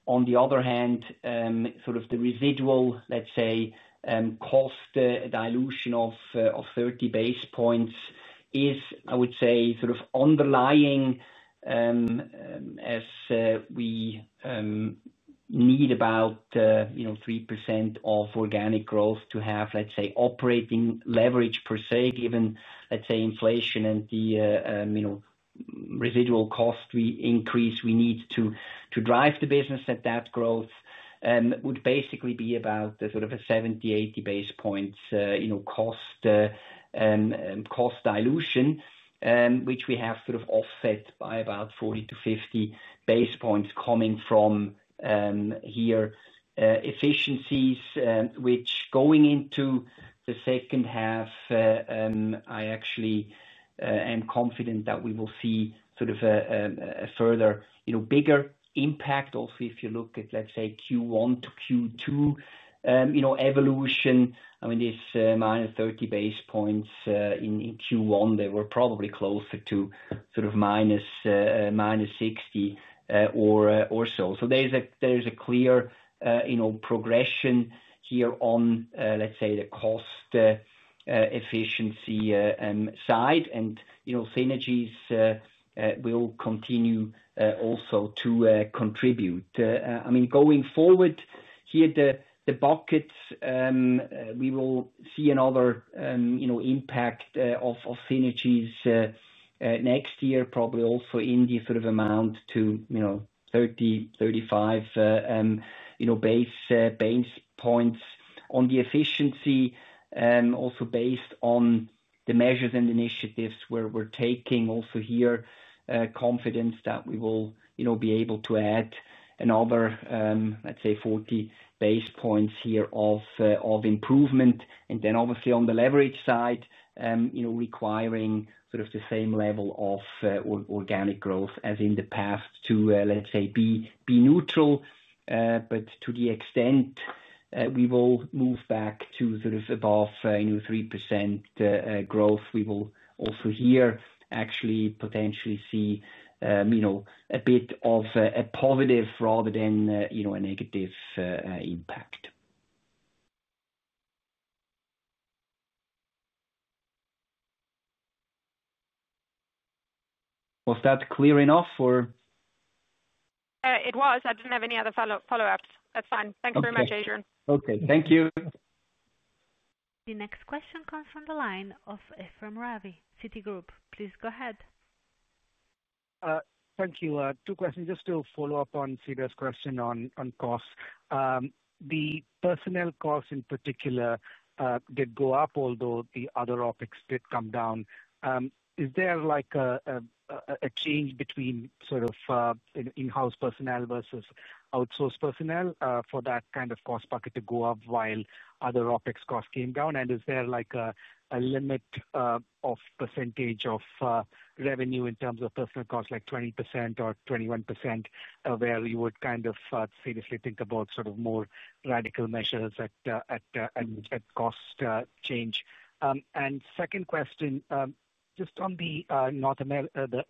S4: On the other hand. Sort of the residual, let's say. Cost dilution of 30 basis points is, I would say, sort of underlying. As we need about 3% of organic growth to have, let's say, operating leverage per se, given, let's say, inflation and the residual cost we increase, we need to drive the business at that growth. Would basically be about sort of a 70 basis points-80 basis points cost dilution, which we have sort of offset by about 40 basis points-50 basis points coming from efficiencies, which going into the second half, I actually am confident that we will see sort of a further bigger impact. Also, if you look at, let's say, Q1-Q2 evolution, I mean, this minus 30 basis points in Q1, they were probably closer to sort of -60 or so. There is a clear progression here on, let's say, the cost efficiency side. And synergies will continue also to contribute. I mean, going forward here, the buckets. We will see another impact of synergies next year, probably also in the sort of amount to 30 basis points-35 basis points on the efficiency. Also based on the measures and initiatives we're taking. Also here, confidence that we will be able to add another, let's say, 40 basis points here of improvement. Obviously, on the leverage side, requiring sort of the same level of organic growth as in the past to, let's say, be neutral. To the extent we will move back to sort of above 3% growth, we will also here actually potentially see a bit of a positive rather than a negative impact. Was that clear enough or?
S9: It was. I didn't have any other follow-ups. That's fine. Thanks very much, Adrian.
S4: Okay. Thank you.
S1: The next question comes from the line of Ephrem Ravi, Citigroup. Please go ahead.
S10: Thank you. Two questions. Just to follow up on Cedar's question on costs. The personnel costs, in particular, did go up, although the other OpEx did come down. Is there a change between sort of in-house personnel versus outsourced personnel for that kind of cost bucket to go up while other OpEx costs came down? Is there a limit of percentage of revenue in terms of personnel costs, like 20% or 21%, where you would kind of seriously think about sort of more radical measures at cost change? Second question, just on the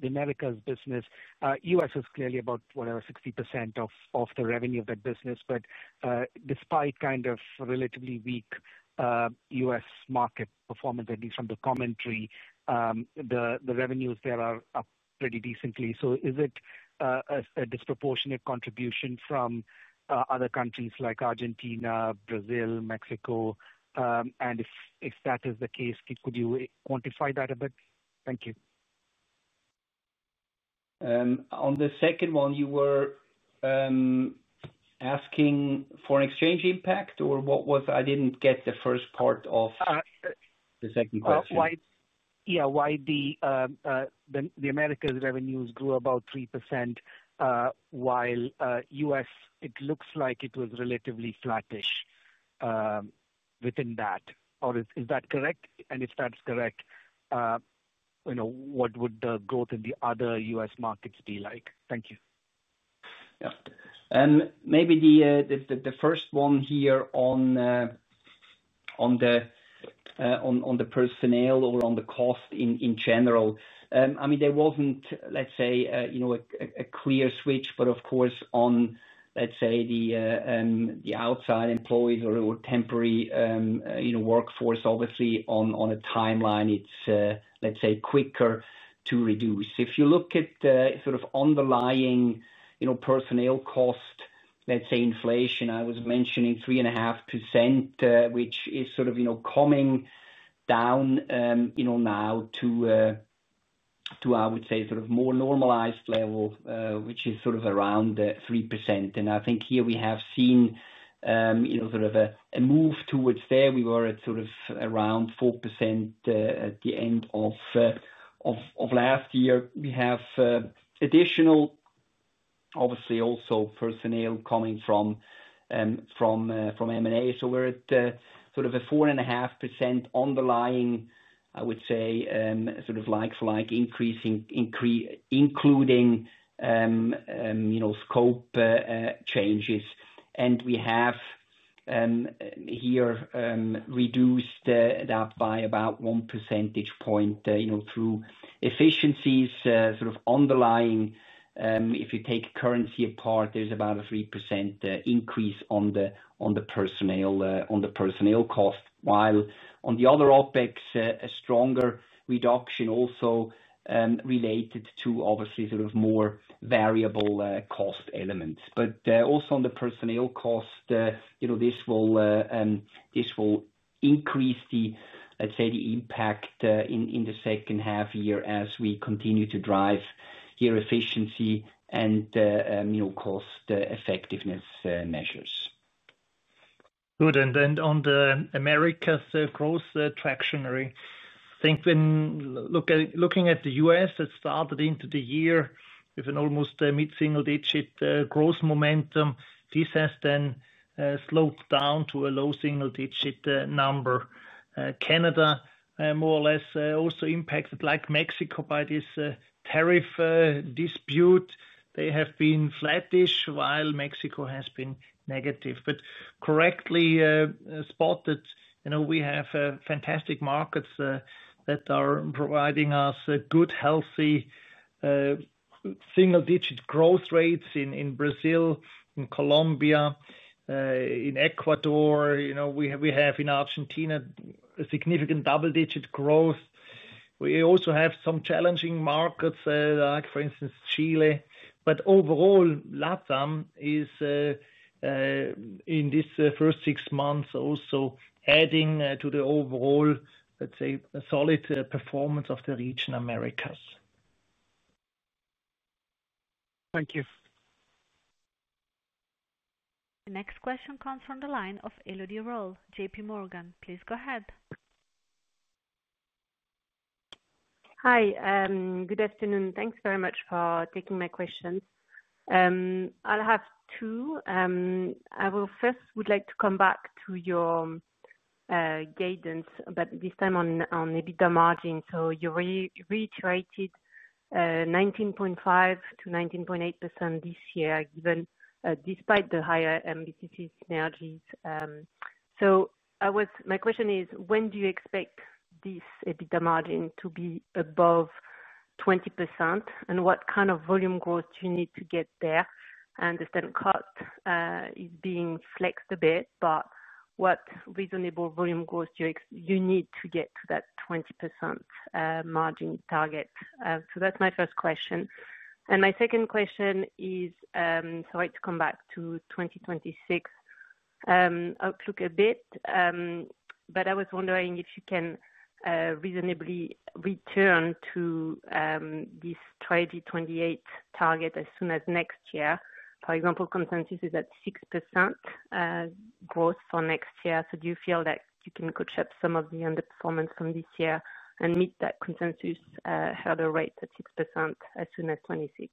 S10: Americas business, U.S. is clearly about, whatever, 60% of the revenue of that business. Despite kind of relatively weak U.S. market performance, at least from the commentary, the revenues there are up pretty decently. Is it a disproportionate contribution from. Other countries like Argentina, Brazil, Mexico? And if that is the case, could you quantify that a bit? Thank you.
S4: On the second one, you were asking for an exchange impact, or what was, I did not get the first part of the second question.
S10: Yeah. Why the Americas' revenues grew about 3% while U.S., it looks like it was relatively flattish within that. Is that correct? And if that is correct, what would the growth in the other U.S. markets be like?
S4: Thank you. Yeah. Maybe the first one here on the personnel or on the cost in general. I mean, there was not, let us say, a clear switch. Of course, on, let us say, the outside employees or temporary workforce, obviously, on a timeline, it is, let us say, quicker to reduce. If you look at sort of underlying personnel cost, let us say, inflation, I was mentioning 3.5%, which is sort of coming down now to, I would say, sort of more normalized level, which is sort of around 3%. I think here we have seen sort of a move towards there. We were at sort of around 4% at the end of last year. We have additional, obviously, also personnel coming from M&A. So we are at sort of a 4.5% underlying, I would say, sort of like-for-like increasing, including scope changes. We have here reduced that by about one percentage point through efficiencies. Sort of underlying, if you take currency apart, there is about a 3% increase on the personnel cost. While on the other OpEx, a stronger reduction also related to, obviously, sort of more variable cost elements. Also on the personnel cost, this will increase the, let us say, the impact in the second half year as we continue to drive here efficiency and cost effectiveness measures.
S3: Good. On the Americas' growth tractionary, I think when looking at the U.S., it started into the year with an almost mid-single-digit growth momentum. This has then slowed down to a low single-digit number. Canada, more or less, also impacted like Mexico by this tariff dispute. They have been flattish, while Mexico has been negative. Correctly spotted, we have fantastic markets that are providing us good, healthy single-digit growth rates in Brazil, in Colombia, in Ecuador. We have in Argentina a significant double-digit growth. We also have some challenging markets, like for instance, Chile. Overall, LATAM is, in this first six months, also adding to the overall, let us say, solid performance of the region, Americas.
S10: Thank you.
S1: The next question comes from the line of Elodie Rall, JPMorgan. Please go ahead.
S11: Hi. Good afternoon. Thanks very much for taking my questions. I'll have two. I will first would like to come back to your guidance, but this time on EBITDA margin. You reiterated 19.5%-19.8% this year, given despite the higher MBCC synergies. My question is, when do you expect this EBITDA margin to be above 20%? What kind of volume growth do you need to get there? I understand cost is being flexed a bit, but what reasonable volume growth do you need to get to that 20% margin target? That's my first question. My second question is, I'd like to come back to 2026 outlook a bit. I was wondering if you can reasonably return to this Strategy 2028 target as soon as next year. For example, consensus is at 6% growth for next year. Do you feel that you can catch up some of the underperformance from this year and meet that consensus further rate at 6% as soon as 2026?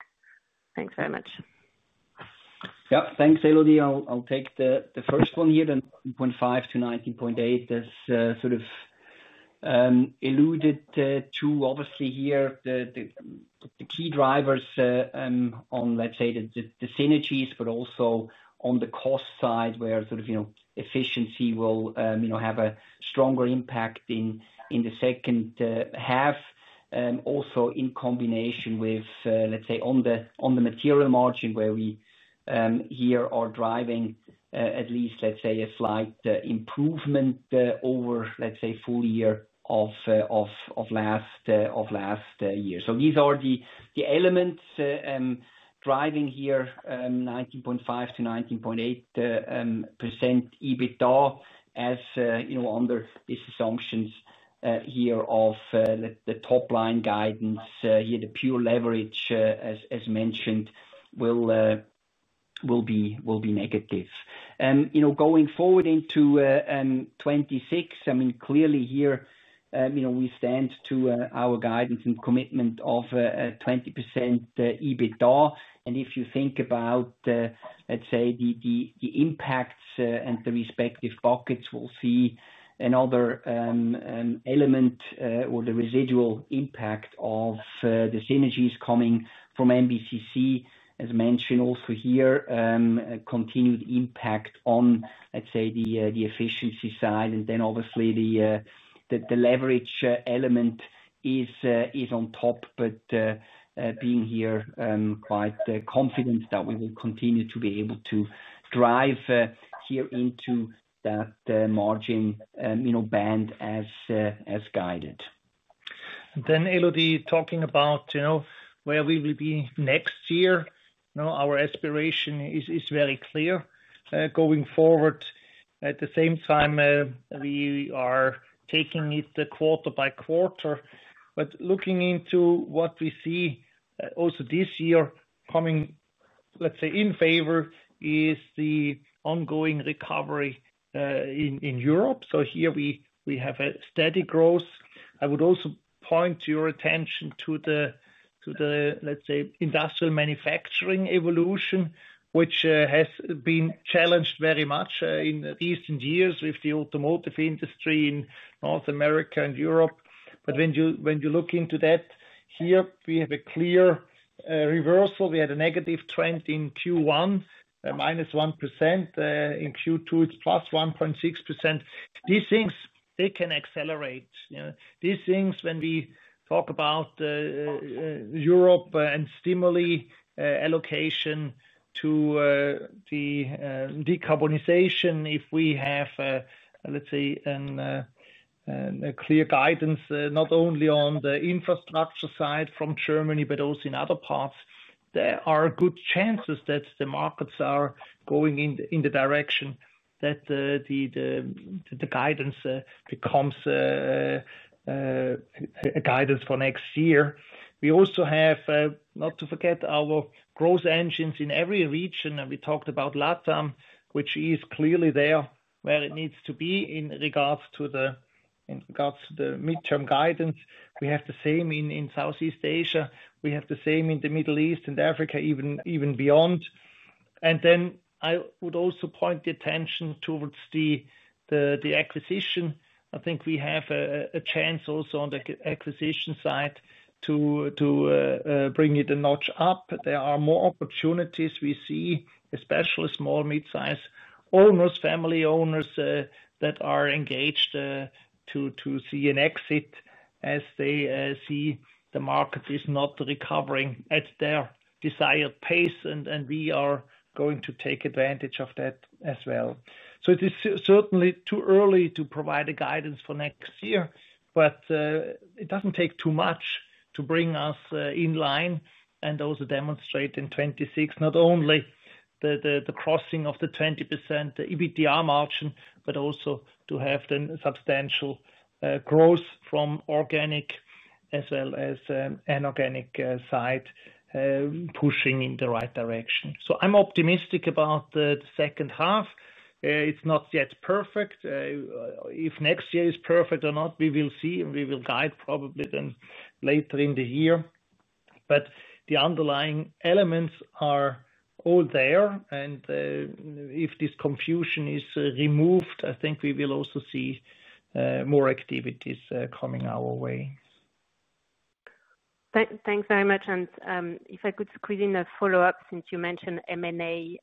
S11: Thanks very much.
S4: Yep. Thanks, Elodie. I'll take the first one here, then 19.5%-19.8%. That's sort of alluded to, obviously, here. The key drivers on, let's say, the synergies, but also on the cost side where sort of efficiency will have a stronger impact in the second half. Also in combination with, let's say, on the material margin where we here are driving at least, let's say, a slight improvement over, let's say, full year of last year. These are the elements driving here. 19.5%-19.8% EBITDA as under these assumptions here of the top-line guidance here, the pure leverage, as mentioned, will be negative. Going forward into 2026, I mean, clearly here we stand to our guidance and commitment of 20% EBITDA. If you think about, let's say, the impacts and the respective buckets, we'll see another element or the residual impact of the synergies coming from MBCC, as mentioned also here. Continued impact on, let's say, the efficiency side. Obviously, the leverage element is on top, but being here quite confident that we will continue to be able to drive here into that margin band as guided.
S3: Then, Elodie, talking about where we will be next year, our aspiration is very clear going forward. At the same time, we are taking it quarter by quarter. Looking into what we see also this year coming, let's say, in favor is the ongoing recovery in Europe. Here we have a steady growth. I would also point your attention to the. Let's say, industrial manufacturing evolution, which has been challenged very much in recent years with the automotive industry in North America and Europe. When you look into that here, we have a clear reversal. We had a negative trend in Q1, -1%. In Q2, it's +1.6%. These things, they can accelerate. These things, when we talk about Europe and stimuli allocation to the decarbonization, if we have, let's say, a clear guidance not only on the infrastructure side from Germany, but also in other parts, there are good chances that the markets are going in the direction that the guidance becomes a guidance for next year. We also have, not to forget, our growth engines in every region. We talked about LATAM, which is clearly there where it needs to be in regards to the midterm guidance. We have the same in Southeast Asia. We have the same in the Middle East and Africa, even beyond. I would also point the attention towards the acquisition. I think we have a chance also on the acquisition side to bring it a notch up. There are more opportunities we see, especially small, mid-size owners, family owners that are engaged to see an exit as they see the market is not recovering at their desired pace. We are going to take advantage of that as well. It is certainly too early to provide a guidance for next year, but it does not take too much to bring us in line and also demonstrate in 2026 not only the crossing of the 20% EBITDA margin, but also to have then substantial growth from organic as well as an organic side, pushing in the right direction. I am optimistic about the second half. It is not yet perfect. If next year is perfect or not, we will see, and we will guide probably then later in the year. The underlying elements are all there. If this confusion is removed, I think we will also see more activities coming our way.
S11: Thanks very much. If I could squeeze in a follow-up, since you mentioned M&A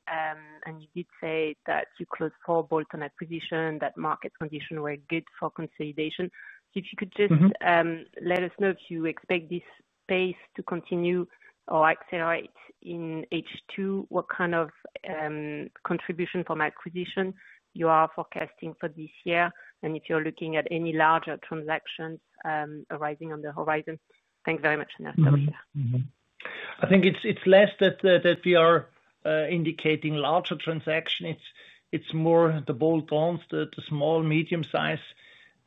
S11: and you did say that you closed four bolt-on acquisition, that market conditions were good for consolidation. If you could just let us know if you expect this pace to continue or accelerate in H2, what kind of contribution from acquisition you are forecasting for this year, and if you are looking at any larger transactions arising on the horizon. Thanks very much, Nelson.
S3: I think it is less that we are indicating larger transactions. It is more the bolt-ons, the small, medium-size,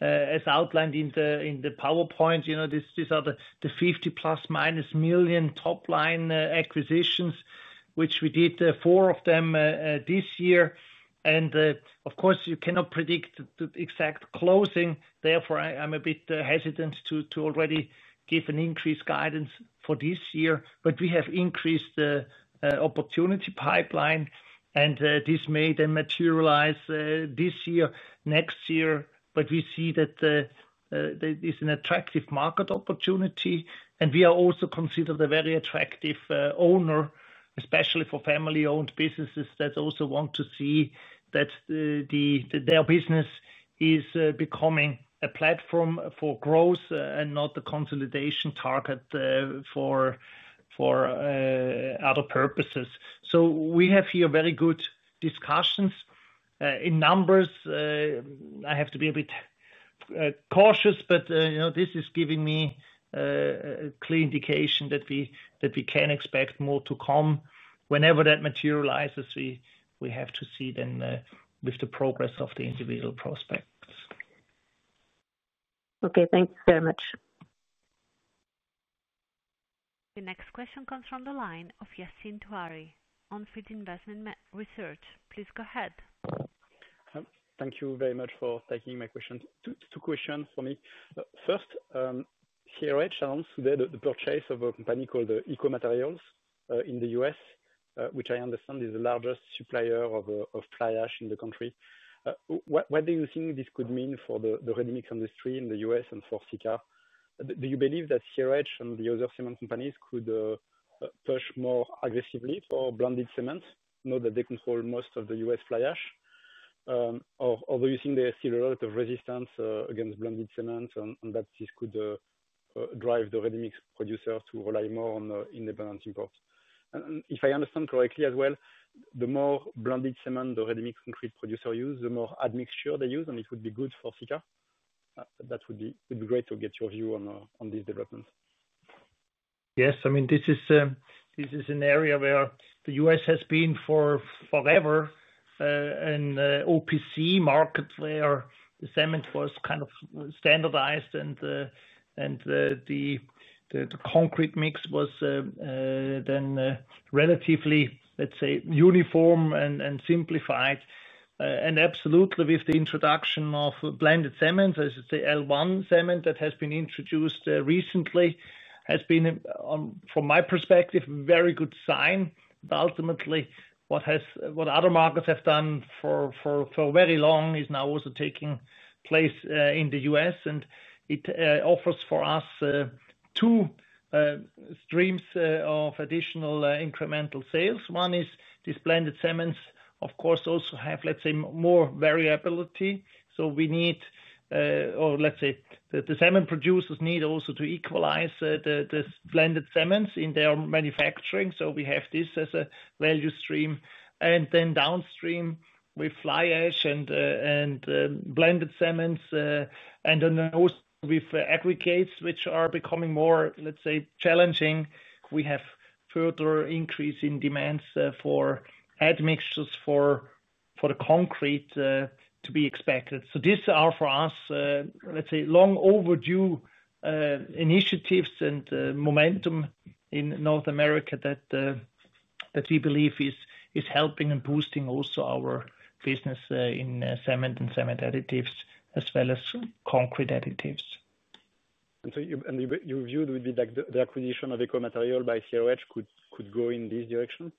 S3: as outlined in the PowerPoint. These are the 50-plus-minus million top-line acquisitions, which we did four of them this year. Of course, you cannot predict the exact closing. Therefore, I'm a bit hesitant to already give an increased guidance for this year. We have increased the opportunity pipeline, and this may then materialize this year, next year. We see that. It is an attractive market opportunity. We are also considered a very attractive owner, especially for family-owned businesses that also want to see that their business is becoming a platform for growth and not the consolidation target for other purposes. We have here very good discussions. In numbers, I have to be a bit cautious, but this is giving me a clear indication that we can expect more to come. Whenever that materializes, we have to see then with the progress of the individual prospects.
S1: Okay. Thanks very much. The next question comes from the line of Yassine Touahri On Field Investment Research. Please go ahead.
S12: Thank you very much for taking my question. Two questions for me. First, CRH announced today the purchase of a company called EcoMaterials in the U.S., which I understand is the largest supplier of fly ash in the country. What do you think this could mean for the ready-mix industry in the U.S. and for Sika? Do you believe that CRH and the other cement companies could push more aggressively for blended cement, now that they control most of the U.S. fly ash? Or do you think there's still a lot of resistance against blended cement, and that this could drive the ready-mix producers to rely more on independent imports? If I understand correctly as well, the more blended cement the ready-mix concrete producer uses, the more admixture they use, and it would be good for Sika? That would be great to get your view on these developments.
S3: Yes. I mean, this is an area where the U.S. has been forever an OPC market where the cement was kind of standardized, and the concrete mix was then relatively, let's say, uniform and simplified. Absolutely, with the introduction of blended cement, as you say, L1 cement that has been introduced recently has been, from my perspective, a very good sign. Ultimately, what other markets have done for very long is now also taking place in the U.S., and it offers for us two streams of additional incremental sales. One is these blended cements, of course, also have, let's say, more variability. So we need. Let's say the cement producers need also to equalize the blended cements in their manufacturing. We have this as a value stream. Then downstream, with fly ash and blended cements, and then also with aggregates, which are becoming more, let's say, challenging, we have further increase in demands for admixtures for the concrete to be expected. These are, for us, let's say, long-overdue initiatives and momentum in North America that we believe is helping and boosting also our business in cement and cement additives as well as concrete additives.
S12: Your view would be that the acquisition of EcoMaterials by CRH could go in this direction?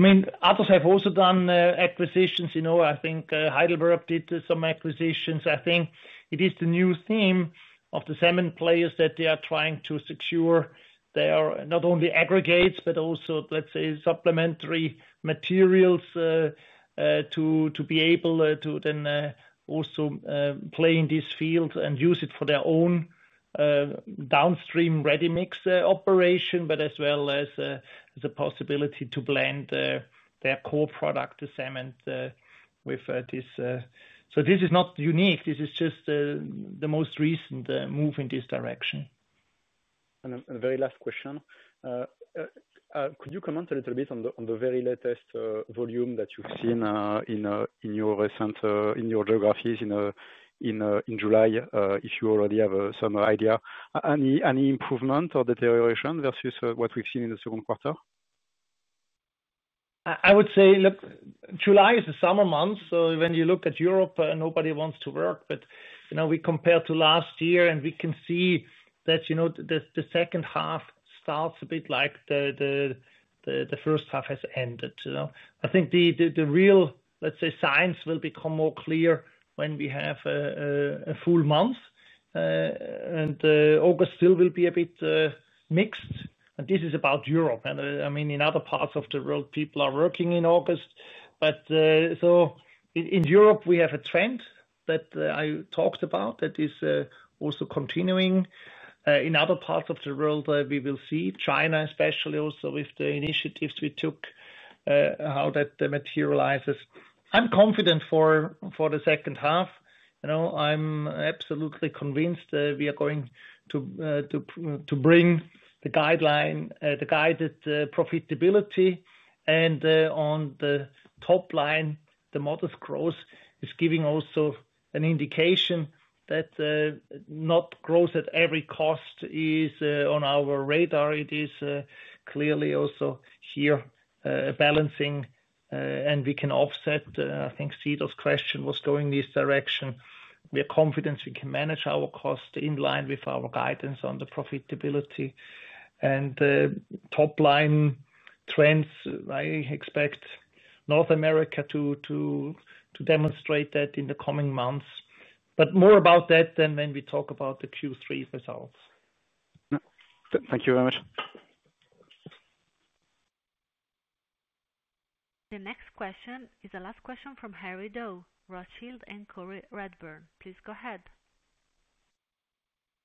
S3: I mean, others have also done acquisitions. I think Heidelberg did some acquisitions. I think it is the new theme of the cement players that they are trying to secure their not only aggregates, but also, let's say, supplementary materials to be able to then also play in this field and use it for their own downstream ready-mix operation, but as well as the possibility to blend their core product, the cement, with this. This is not unique. This is just the most recent move in this direction.
S12: A very last question. Could you comment a little bit on the very latest volume that you've seen in your geographies in July, if you already have some idea? Any improvement or deterioration versus what we've seen in the second quarter?
S3: I would say July is a summer month. When you look at Europe, nobody wants to work. We compare to last year, and we can see that the second half starts a bit like the first half has ended. I think the real, let's say, signs will become more clear when we have a full month. August still will be a bit mixed. This is about Europe. I mean, in other parts of the world, people are working in August. In Europe, we have a trend that I talked about that is also continuing. In other parts of the world, we will see China, especially also with the initiatives we took, how that materializes. I'm confident for the second half. I'm absolutely convinced we are going to bring the guided profitability. On the top line, the modest growth is giving also an indication that not growth at every cost is on our radar. It is clearly also here balancing. We can offset. I think Cito's question was going in this direction. We are confident we can manage our cost in line with our guidance on the profitability. Top-line trends, I expect North America to. Demonstrate that in the coming months. More about that then when we talk about the Q3 results.
S12: Thank you very much.
S1: The next question is the last question from Harry Dow, Rothschild, and Co Redburn. Please go ahead.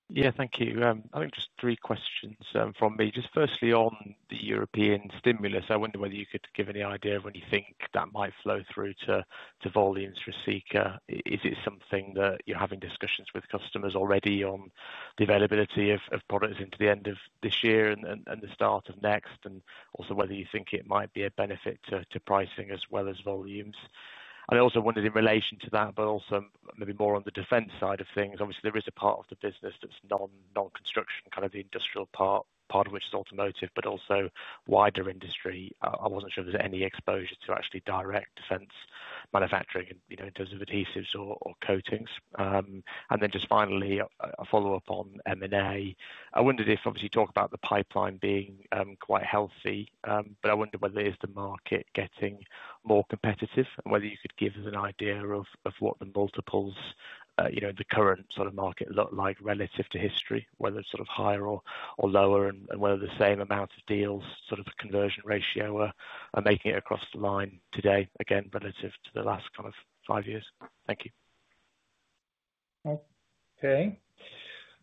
S13: Yeah. Thank you. I think just three questions from me. Firstly, on the European stimulus, I wonder whether you could give any idea of when you think that might flow through to volumes for Sika. Is it something that you're having discussions with customers already on the availability of products into the end of this year and the start of next, and also whether you think it might be a benefit to pricing as well as volumes? I also wondered in relation to that, but also maybe more on the defense side of things. Obviously, there is a part of the business that's non-construction, kind of the industrial part, part of which is automotive, but also wider industry. I wasn't sure if there's any exposure to actually direct defense manufacturing in terms of adhesives or coatings. Then just finally, a follow-up on M&A. I wondered if, obviously, you talk about the pipeline being quite healthy, but I wonder whether the market is getting more competitive and whether you could give us an idea of what the multiples, the current sort of market look like relative to history, whether it's sort of higher or lower and whether the same amount of deals, sort of conversion ratio, are making it across the line today, again, relative to the last five years. Thank you.
S3: Okay.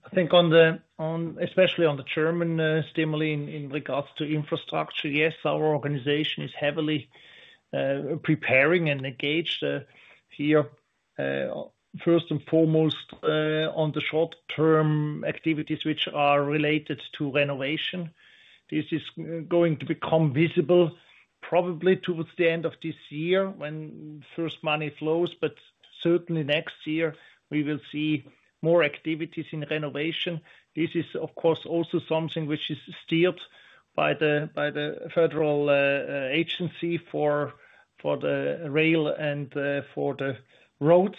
S3: I think especially on the German stimuli in regards to infrastructure, yes, our organization is heavily preparing and engaged here. First and foremost, on the short-term activities which are related to renovation. This is going to become visible probably towards the end of this year when first money flows, but certainly next year, we will see more activities in renovation. This is, of course, also something which is steered by the Federal Agency for the rail and for the roads.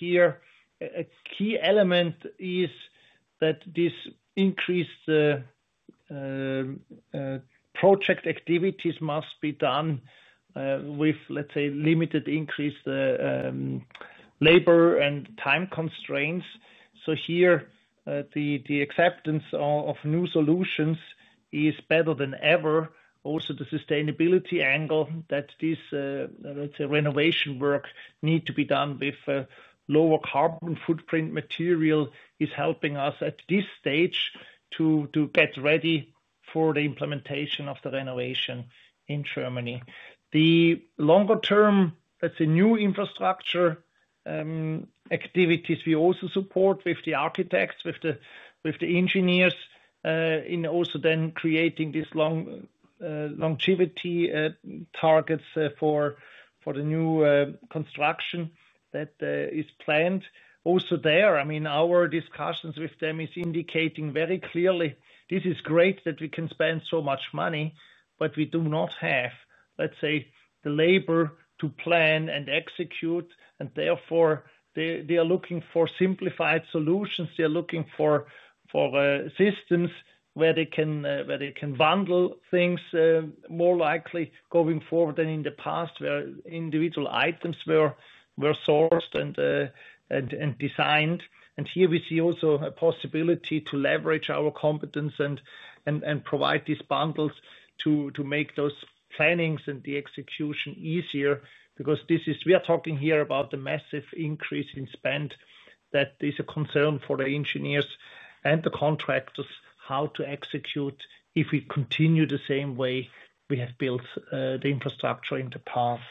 S3: Here, a key element is that this increased project activity must be done with, let's say, limited increased labor and time constraints. Here, the acceptance of new solutions is better than ever. Also, the sustainability angle that this, let's say, renovation work needs to be done with a lower carbon footprint material is helping us at this stage to get ready for the implementation of the renovation in Germany.The longer-term, let's say, new infrastructure. Activities we also support with the architects, with the engineers, in also then creating this. Longevity targets for the new construction that is planned. Also there, I mean, our discussions with them are indicating very clearly, "This is great that we can spend so much money, but we do not have, let's say, the labor to plan and execute." Therefore, they are looking for simplified solutions. They are looking for systems where they can bundle things more likely going forward than in the past where individual items were sourced and designed. Here, we see also a possibility to leverage our competence and provide these bundles to make those plannings and the execution easier because we are talking here about the massive increase in spend that is a concern for the engineers and the contractors, how to execute if we continue the same way we have built the infrastructure in the past.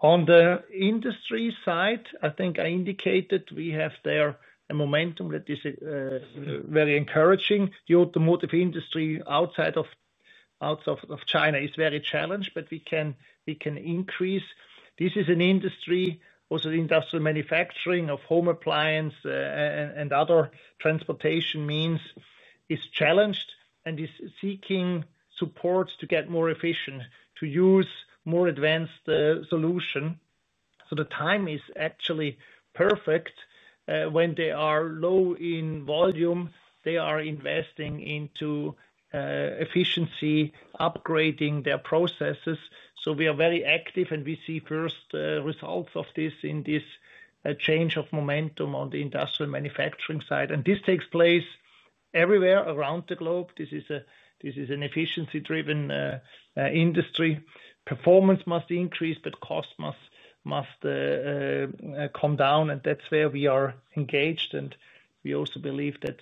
S3: On the industry side, I think I indicated we have there a momentum that is very encouraging. The automotive industry outside of China is very challenged, but we can increase. This is an industry, also industrial manufacturing of home appliance and other transportation means is challenged and is seeking support to get more efficient, to use more advanced solutions. The time is actually perfect. When they are low in volume, they are investing into efficiency, upgrading their processes. We are very active, and we see first results of this in this change of momentum on the industrial manufacturing side. This takes place everywhere around the globe. This is an efficiency-driven industry. Performance must increase, but cost must come down. That is where we are engaged. We also believe that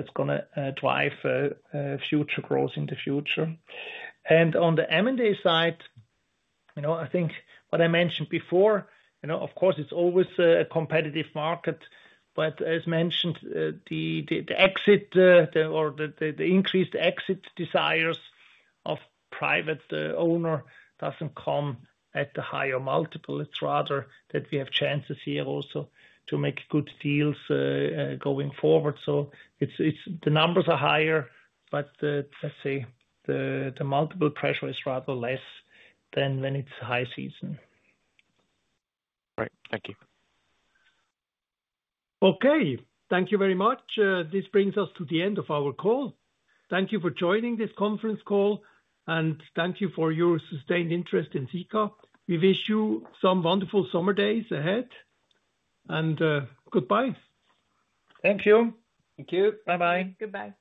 S3: is going to drive future growth in the future. On the M&A side, I think what I mentioned before, of course, it is always a competitive market. As mentioned, the increased exit desires of private owner does not come at a higher multiple. It is rather that we have chances here also to make good deals going forward. The numbers are higher, but let's say the multiple pressure is rather less than when it is high season.
S13: Right. Thank you.
S2: Okay. Thank you very much. This brings us to the end of our call. Thank you for joining this conference call, and thank you for your sustained interest in Sika. We wish you some wonderful summer days ahead. Goodbye.
S3: Thank you.
S4: Thank you. Bye-bye.
S14: Goodbye.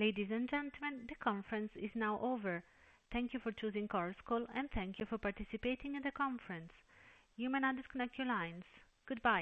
S4: Ladies and gentlemen, the conference is now over. Thank you for choosing Chorus Call, and thank you for participating in the conference. You may now disconnect your lines. Goodbye.